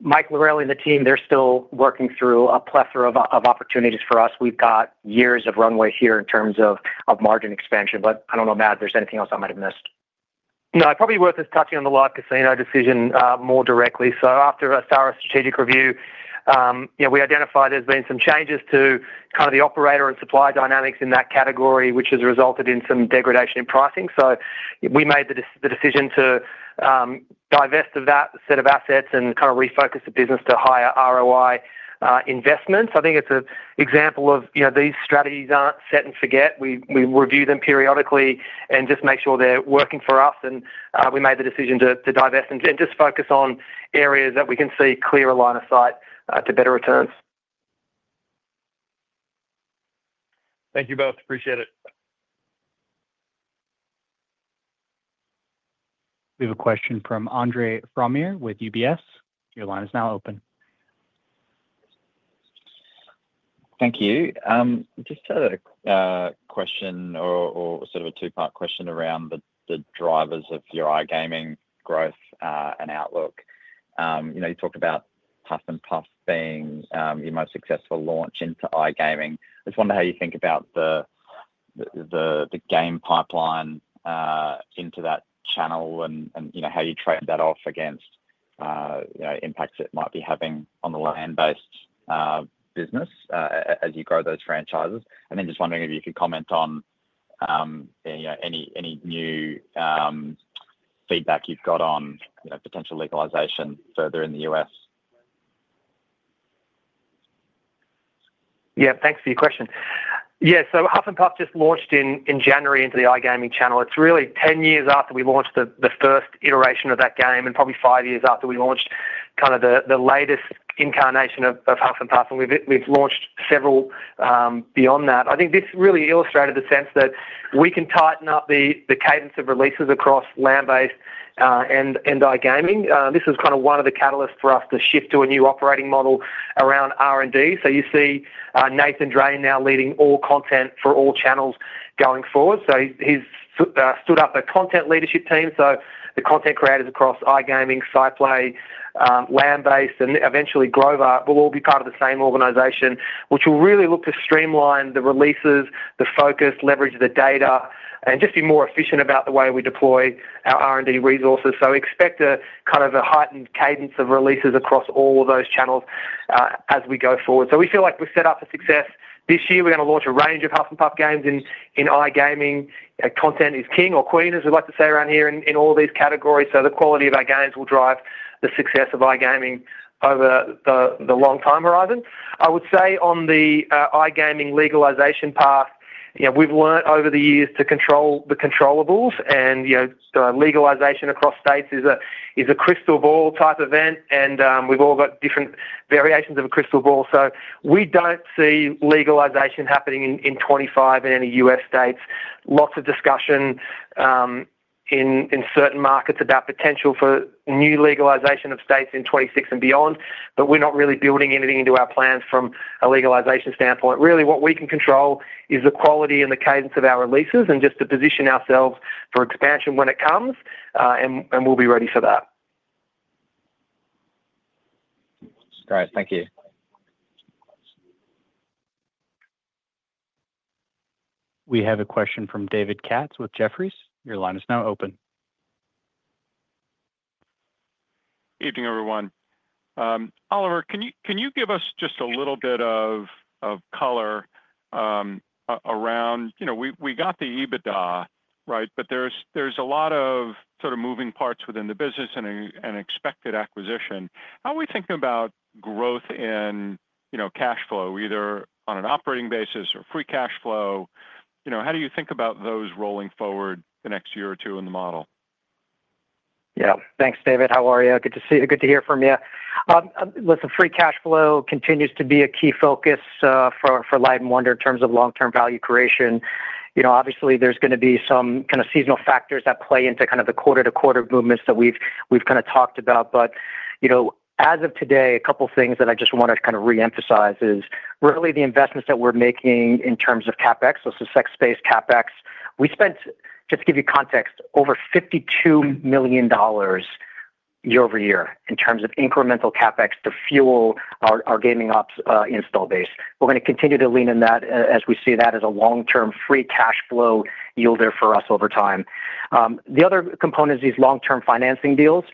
Speaker 4: Mike Lorelli and the team, they're still working through a plethora of opportunities for us. We've got years of runway here in terms of margin expansion. But I don't know, Matt, if there's anything else I might have missed.
Speaker 3: No, it's probably worth just touching on the Live Casino decision more directly. So after a thorough strategic review, we identified there's been some changes to kind of the operator and supply dynamics in that category, which has resulted in some degradation in pricing. So we made the decision to divest of that set of assets and kind of refocus the business to higher ROI investments. I think it's an example of these strategies aren't set and forget. We review them periodically and just make sure they're working for us. And we made the decision to divest and just focus on areas that we can see clearer line of sight to better returns.
Speaker 7: Thank you both. Appreciate it.
Speaker 1: We have a question from Andre Fromyhr with UBS. Your line is now open.
Speaker 8: Thank you. Just a question or sort of a two-part question around the drivers of your iGaming growth and outlook. You talked about Huff and More Puff being your most successful launch into iGaming. I just wonder how you think about the game pipeline into that channel and how you trade that off against impacts it might be having on the land-based business as you grow those franchises. And then just wondering if you could comment on any new feedback you've got on potential legalization further in the US.
Speaker 3: Yeah, thanks for your question. Yeah, so Huff N' Puff just launched in January into the iGaming channel. It's really 10 years after we launched the first iteration of that game and probably five years after we launched kind of the latest incarnation of Huff N' Puff. And we've launched several beyond that. I think this really illustrated the sense that we can tighten up the cadence of releases across land-based and iGaming. This was kind of one of the catalysts for us to shift to a new operating model around R&D. So you see Nathan Drane now leading all content for all channels going forward. So he's stood up a content leadership team. The content creators across iGaming, SciPlay, land-based, and eventually Grover will all be part of the same organization, which will really look to streamline the releases, the focus, leverage the data, and just be more efficient about the way we deploy our R&D resources. We expect a kind of a heightened cadence of releases across all of those channels as we go forward. We feel like we're set up for success this year. We're going to launch a range of Huff N' Puff games in iGaming. Content is king or queen, as we like to say around here in all these categories. The quality of our games will drive the success of iGaming over the long time horizon. I would say on the iGaming legalization path, we've learned over the years to control the controllables. And legalization across states is a crystal ball type event, and we've all got different variations of a crystal ball. So we don't see legalization happening in 2025 in any U.S. states. Lots of discussion in certain markets about potential for new legalization of states in 2026 and beyond, but we're not really building anything into our plans from a legalization standpoint. Really, what we can control is the quality and the cadence of our releases and just to position ourselves for expansion when it comes, and we'll be ready for that.
Speaker 8: Great. Thank you.
Speaker 1: We have a question from David Katz with Jefferies. Your line is now open.
Speaker 9: Evening, everyone. Oliver, can you give us just a little bit of color around we got the EBITDA, right, but there's a lot of sort of moving parts within the business and expected acquisition. How are we thinking about growth in cash flow, either on an operating basis or free cash flow? How do you think about those rolling forward the next year or two in the model?
Speaker 4: Yeah. Thanks, David. How are you? Good to hear from you. Listen, free cash flow continues to be a key focus for Light & Wonder in terms of long-term value creation. Obviously, there's going to be some kind of seasonal factors that play into kind of the quarter-to-quarter movements that we've kind of talked about. But as of today, a couple of things that I just want to kind of reemphasize is really the investments that we're making in terms of CapEx. So SysX space, CapEx. We spent, just to give you context, over $52 million year over year in terms of incremental CapEx to fuel our gaming ops install base. We're going to continue to lean in that as we see that as a long-term free cash flow yield there for us over time. The other component is these long-term financing deals.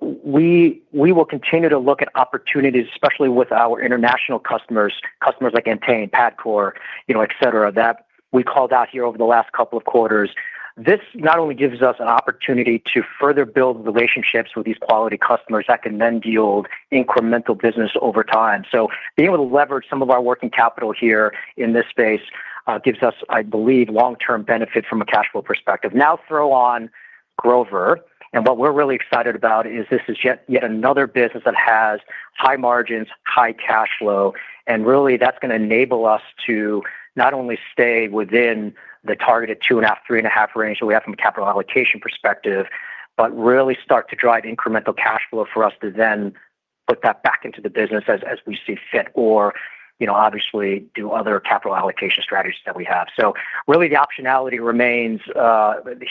Speaker 4: We will continue to look at opportunities, especially with our international customers, customers like Entain, PAGCOR, etc., that we called out here over the last couple of quarters. This not only gives us an opportunity to further build relationships with these quality customers that can then yield incremental business over time. So being able to leverage some of our working capital here in this space gives us, I believe, long-term benefit from a cash flow perspective. Now throw on Grover. And what we're really excited about is this is yet another business that has high margins, high cash flow. And really, that's going to enable us to not only stay within the targeted two and a half, three and a half range that we have from a capital allocation perspective, but really start to drive incremental cash flow for us to then put that back into the business as we see fit or obviously do other capital allocation strategies that we have. So really, the optionality remains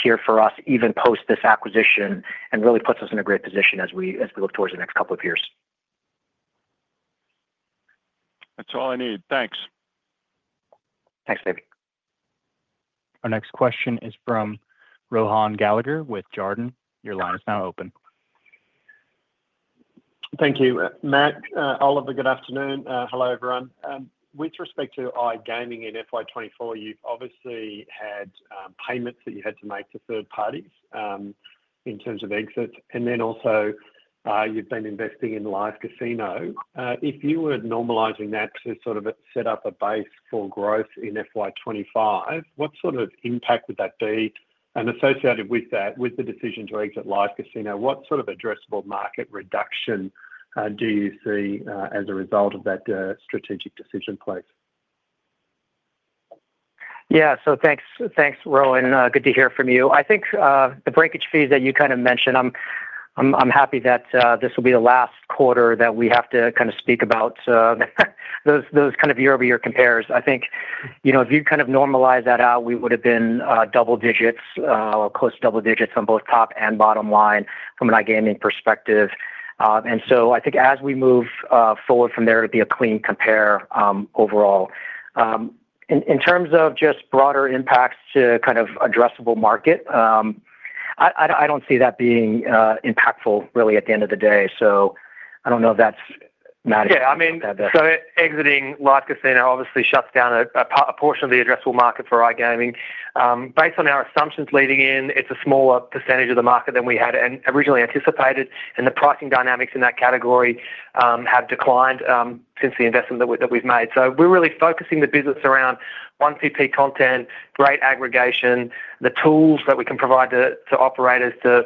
Speaker 4: here for us even post this acquisition and really puts us in a great position as we look towards the next couple of years.
Speaker 9: That's all I need. Thanks.
Speaker 4: Thanks, David.
Speaker 1: Our next question is from Rohan Gallagher with Jarden. Your line is now open.
Speaker 10: Thank you. Matt, Oliver, good afternoon. Hello, everyone. With respect to iGaming in FY24, you've obviously had payments that you had to make to third parties in terms of exits. And then also, you've been investing in live casino. If you were normalizing that to sort of set up a base for growth in FY25, what sort of impact would that be? And associated with that, with the decision to exit live casino, what sort of addressable market reduction do you see as a result of that strategic decision, please?
Speaker 4: Yeah. So thanks, Rohan. Good to hear from you. I think the breakage fees that you kind of mentioned, I'm happy that this will be the last quarter that we have to kind of speak about those kind of year-over-year compares. I think if you kind of normalize that out, we would have been double digits or close to double digits on both top and bottom line from an iGaming perspective. And so I think as we move forward from there to be a clean compare overall. In terms of just broader impacts to kind of addressable market, I don't see that being impactful really at the end of the day. So I don't know if that's Matt has said that.
Speaker 3: Yeah. I mean, so exiting live casino obviously shuts down a portion of the addressable market for iGaming. Based on our assumptions leading in, it's a smaller percentage of the market than we had originally anticipated, and the pricing dynamics in that category have declined since the investment that we've made. So we're really focusing the business around 1PP content, great aggregation, the tools that we can provide to operators to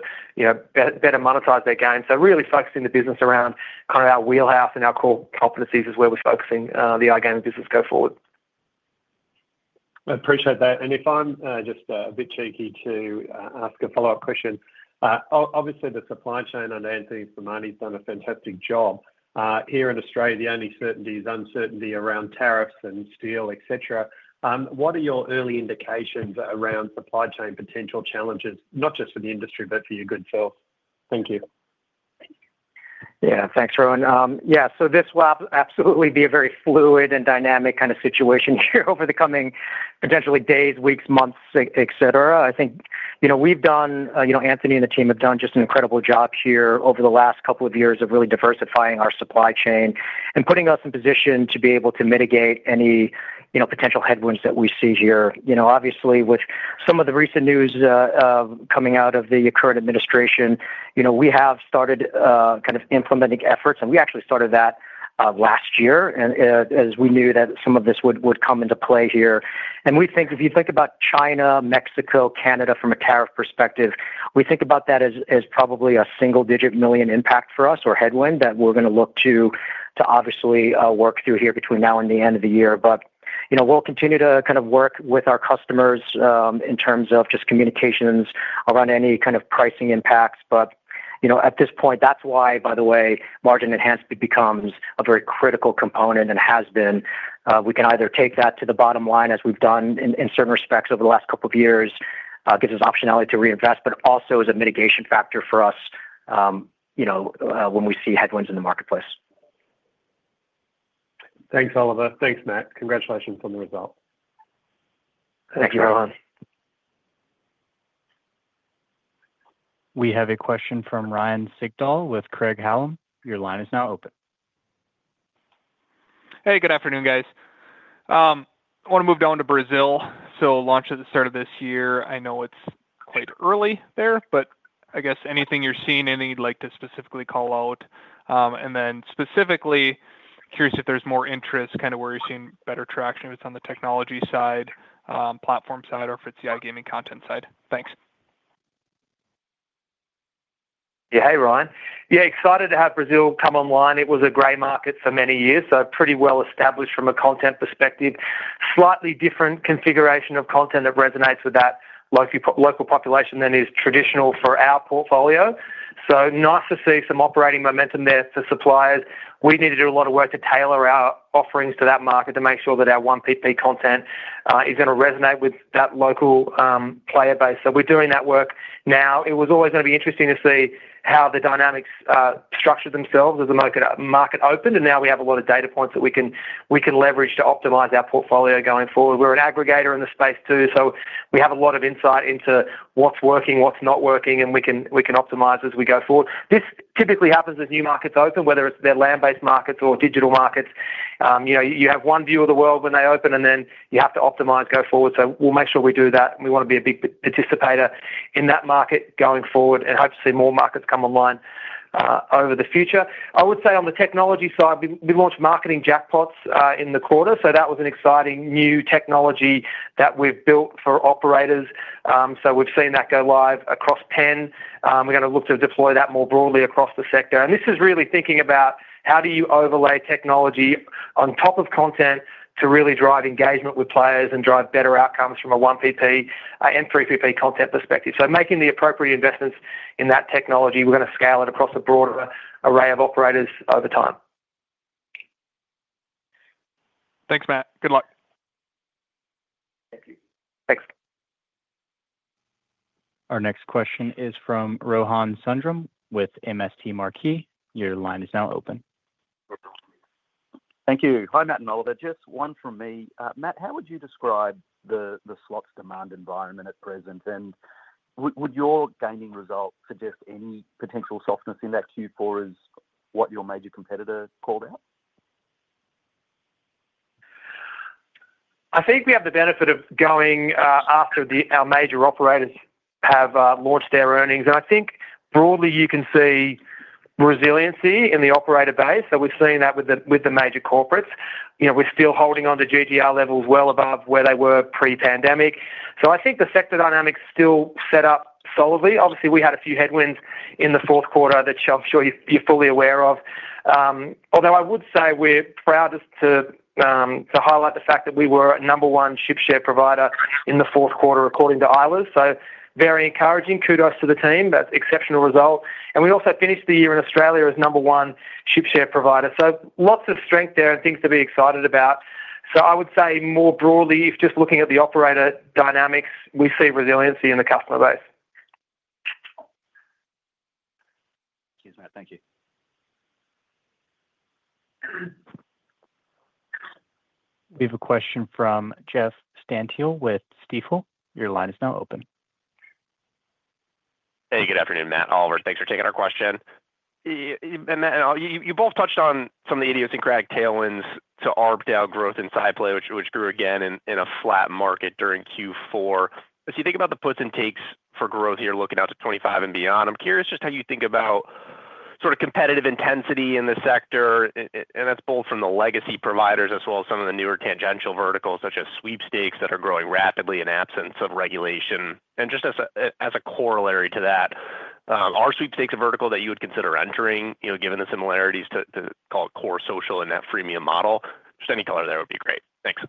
Speaker 3: better monetize their game. So really focusing the business around kind of our wheelhouse and our core competencies is where we're focusing the iGaming business go forward.
Speaker 10: I appreciate that. And if I'm just a bit cheeky to ask a follow-up question, obviously the supply chain and Anthony Simone's done a fantastic job. Here in Australia, the only certainty is uncertainty around tariffs and steel, etc. What are your early indications around supply chain potential challenges, not just for the industry, but for your good self? Thank you.
Speaker 4: Yeah. Thanks, Rohan. Yeah. So this will absolutely be a very fluid and dynamic kind of situation here over the coming potentially days, weeks, months, etc. I think we've done. Anthony and the team have done just an incredible job here over the last couple of years of really diversifying our supply chain and putting us in position to be able to mitigate any potential headwinds that we see here. Obviously, with some of the recent news coming out of the current administration, we have started kind of implementing efforts, and we actually started that last year as we knew that some of this would come into play here. And we think, if you think about China, Mexico, Canada from a tariff perspective, we think about that as probably a single-digit million impact for us or headwind that we're going to look to obviously work through here between now and the end of the year. But we'll continue to kind of work with our customers in terms of just communications around any kind of pricing impacts. But at this point, that's why, by the way, margin enhancement becomes a very critical component and has been. We can either take that to the bottom line, as we've done in certain respects over the last couple of years, gives us optionality to reinvest, but also as a mitigation factor for us when we see headwinds in the marketplace.
Speaker 10: Thanks, Oliver. Thanks, Matt. Congratulations on the result.
Speaker 3: Thanks, Rohan.
Speaker 1: We have a question from Ryan Sigdahl with Craig-Hallum. Your line is now open.
Speaker 11: Hey, good afternoon, guys. I want to move down to Brazil. So, launch at the start of this year. I know it's quite early there, but I guess anything you're seeing, anything you'd like to specifically call out. And then, specifically, curious if there's more interest, kind of where you're seeing better traction if it's on the technology side, platform side, or if it's the iGaming content side. Thanks.
Speaker 3: Yeah. Hey, Ryan. Yeah, excited to have Brazil come online. It was a gray market for many years, so pretty well established from a content perspective. Slightly different configuration of content that resonates with that local population than is traditional for our portfolio. So nice to see some operating momentum there for suppliers. We need to do a lot of work to tailor our offerings to that market to make sure that our 1PP content is going to resonate with that local player base. So we're doing that work now. It was always going to be interesting to see how the dynamics structure themselves as the market opened. And now we have a lot of data points that we can leverage to optimize our portfolio going forward. We're an aggregator in the space too. So we have a lot of insight into what's working, what's not working, and we can optimize as we go forward. This typically happens as new markets open, whether it's their land-based markets or digital markets. You have one view of the world when they open, and then you have to optimize go forward. So we'll make sure we do that. We want to be a big participator in that market going forward and hope to see more markets come online over the future. I would say on the technology side, we launched Marketing Jackpots in the quarter. So that was an exciting new technology that we've built for operators. So we've seen that go live across 10. We're going to look to deploy that more broadly across the sector. This is really thinking about how do you overlay technology on top of content to really drive engagement with players and drive better outcomes from a 1PP and 3PP content perspective. Making the appropriate investments in that technology, we're going to scale it across a broader array of operators over time.
Speaker 11: Thanks, Matt. Good luck.
Speaker 3: Thank you. Thanks.
Speaker 1: Our next question is from Rohan Sundram with MST Marquee. Your line is now open.
Speaker 12: Thank you. Hi, Matt and Oliver. Just one from me. Matt, how would you describe the slots demand environment at present? And would your gaming result suggest any potential softness in that Q4 is what your major competitor called out?
Speaker 3: I think we have the benefit of going after our major operators have launched their earnings. I think broadly you can see resiliency in the operator base. We've seen that with the major corporates. We're still holding on to GGR levels well above where they were pre-pandemic. I think the sector dynamics still set up solidly. Obviously, we had a few headwinds in the fourth quarter that I'm sure you're fully aware of. Although I would say we're proud to highlight the fact that we were a number one Ship Share provider in the fourth quarter according to Eilers. Very encouraging. Kudos to the team. That's an exceptional result. We also finished the year in Australia as number one Ship Share provider. Lots of strength there and things to be excited about. So I would say more broadly, if just looking at the operator dynamics, we see resiliency in the customer base.
Speaker 12: Excuse me. Thank you.
Speaker 1: We have a question from Jeff Stantial with Stifel. Your line is now open.
Speaker 13: Hey, good afternoon, Matt, Oliver. Thanks for taking our question. You both touched on some of the idiosyncratic tailwinds to ARPDAU growth in SciPlay, which grew again in a flat market during Q4. As you think about the puts and takes for growth here looking out to '25 and beyond, I'm curious just how you think about sort of competitive intensity in the sector. And that's both from the legacy providers as well as some of the newer tangential verticals such as sweepstakes that are growing rapidly in absence of regulation. And just as a corollary to that, are sweepstakes a vertical that you would consider entering given the similarities to call it core social in that freemium model? Just any color there would be great. Thanks.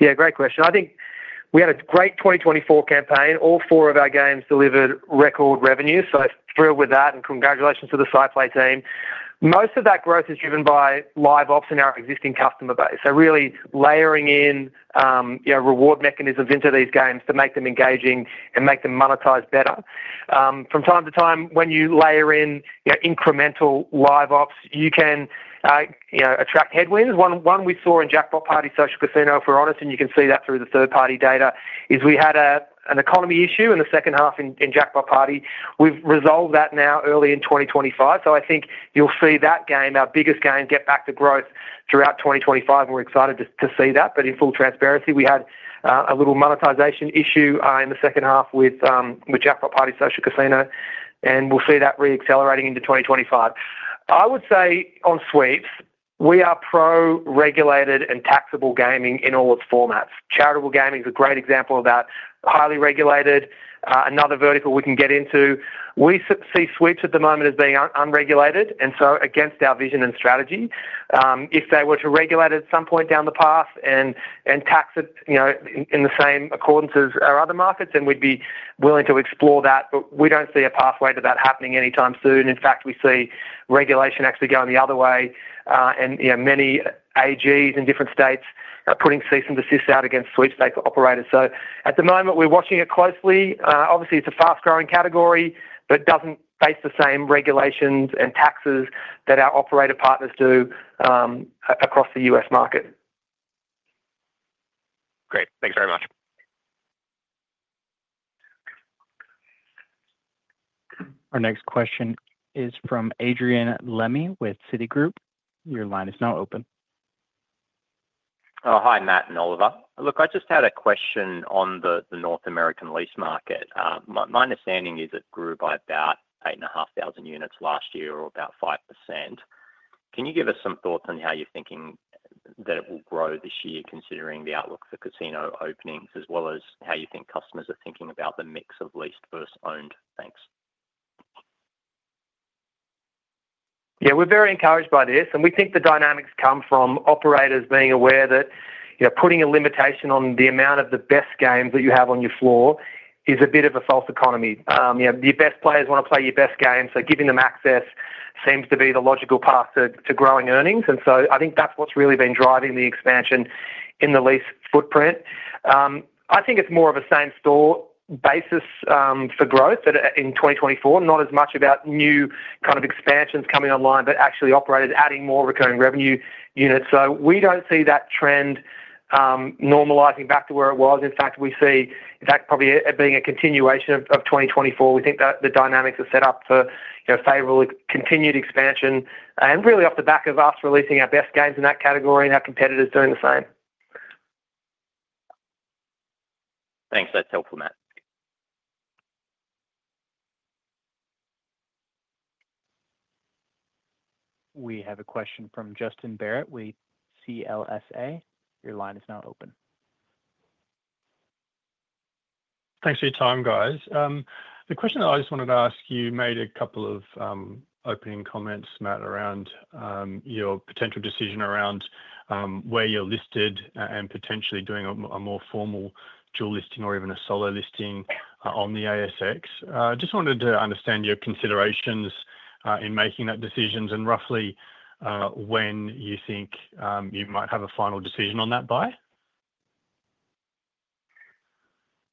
Speaker 3: Yeah, great question. I think we had a great 2024 campaign. All four of our games delivered record revenue. So thrilled with that. And congratulations to the SciPlay team. Most of that growth is driven by live ops in our existing customer base. So really layering in reward mechanisms into these games to make them engaging and make them monetize better. From time to time, when you layer in incremental live ops, you can attract headwinds. One we saw in Jackpot Party Social Casino, if we're honest, and you can see that through the third-party data, is we had an economy issue in the second half in Jackpot Party. We've resolved that now early in 2025. So I think you'll see that game, our biggest game, get back to growth throughout 2025. And we're excited to see that. But in full transparency, we had a little monetization issue in the second half with Jackpot Party Social Casino. And we'll see that reaccelerating into 2025. I would say on sweeps, we are pro-regulated and taxable gaming in all its formats. Charitable gaming is a great example of that. Highly regulated, another vertical we can get into. We see sweeps at the moment as being unregulated and so against our vision and strategy. If they were to regulate at some point down the path and tax it in the same accordance as our other markets, then we'd be willing to explore that. But we don't see a pathway to that happening anytime soon. In fact, we see regulation actually going the other way. And many AGs in different states are putting cease and desist out against sweepstakes operators. So at the moment, we're watching it closely. Obviously, it's a fast-growing category, but it doesn't face the same regulations and taxes that our operator partners do across the U.S. market.
Speaker 13: Great. Thanks very much.
Speaker 1: Our next question is from Adrian Lemme with Citigroup. Your line is now open.
Speaker 14: Hi, Matt and Oliver. Look, I just had a question on the North American lease market. My understanding is it grew by about 8,500 units last year or about 5%. Can you give us some thoughts on how you're thinking that it will grow this year considering the outlook for casino openings as well as how you think customers are thinking about the mix of leased versus owned banks?
Speaker 3: Yeah, we're very encouraged by this. And we think the dynamics come from operators being aware that putting a limitation on the amount of the best games that you have on your floor is a bit of a false economy. Your best players want to play your best game. So giving them access seems to be the logical path to growing earnings. And so I think that's what's really been driving the expansion in the lease footprint. I think it's more of a same-store basis for growth in 2024, not as much about new kind of expansions coming online, but actually operators adding more recurring revenue units. So we don't see that trend normalizing back to where it was. In fact, we see that probably being a continuation of 2024. We think that the dynamics are set up for favorable continued expansion and really off the back of us releasing our best games in that category and our competitors doing the same.
Speaker 14: Thanks. That's helpful, Matt.
Speaker 1: We have a question from Justin Barratt with CLSA. Your line is now open.
Speaker 15: Thanks for your time, guys. The question that I just wanted to ask you: you made a couple of opening comments, Matt, around your potential decision around where you're listed and potentially doing a more formal dual listing or even a solo listing on the ASX. Just wanted to understand your considerations in making that decision and roughly when you think you might have a final decision on that by.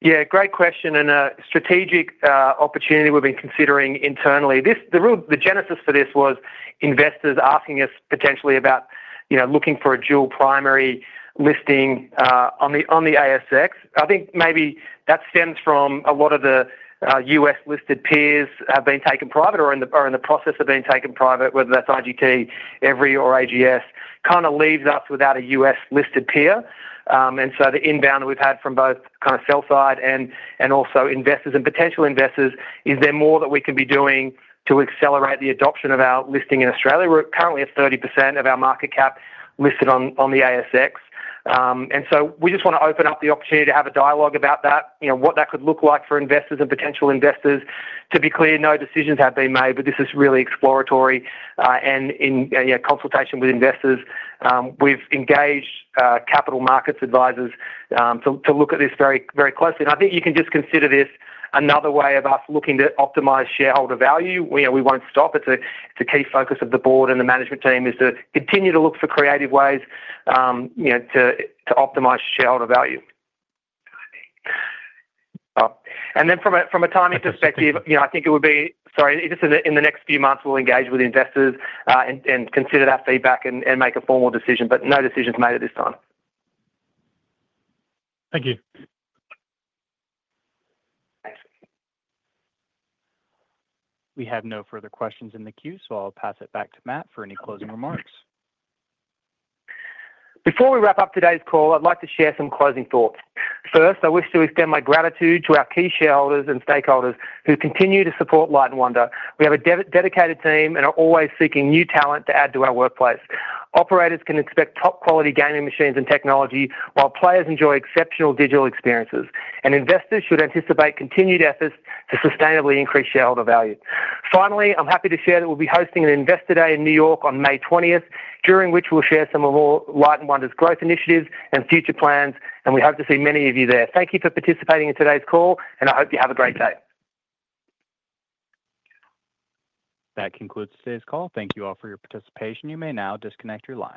Speaker 3: Yeah, great question. It is a strategic opportunity we've been considering internally. The genesis for this was investors asking us potentially about looking for a dual primary listing on the ASX. I think maybe that stems from a lot of the US-listed peers have been taken private or in the process of being taken private, whether that's IGT, Everi, or AGS, kind of leaves us without a US-listed peer. And so the inbound that we've had from both kind of sell side and also investors and potential investors is there more that we can be doing to accelerate the adoption of our listing in Australia. We're currently at 30% of our market cap listed on the ASX. And so we just want to open up the opportunity to have a dialogue about that, what that could look like for investors and potential investors. To be clear, no decisions have been made, but this is really exploratory and in consultation with investors. We've engaged capital markets advisors to look at this very closely. And I think you can just consider this another way of us looking to optimize shareholder value. We won't stop. It's a key focus of the board and the management team is to continue to look for creative ways to optimize shareholder value. And then from a timing perspective, I think it would be, sorry, just in the next few months, we'll engage with investors and consider that feedback and make a formal decision. But no decisions made at this time.
Speaker 15: Thank you.
Speaker 1: We have no further questions in the queue, so I'll pass it back to Matt for any closing remarks.
Speaker 3: Before we wrap up today's call, I'd like to share some closing thoughts. First, I wish to extend my gratitude to our key shareholders and stakeholders who continue to support Light & Wonder. We have a dedicated team and are always seeking new talent to add to our workplace. Operators can expect top-quality gaming machines and technology while players enjoy exceptional digital experiences. Investors should anticipate continued efforts to sustainably increase shareholder value. Finally, I'm happy to share that we'll be hosting an Investor Day in New York on May 20th, during which we'll share some of Light & Wonder's growth initiatives and future plans. We hope to see many of you there. Thank you for participating in today's call, and I hope you have a great day.
Speaker 1: That concludes today's call. Thank you all for your participation. You may now disconnect your line.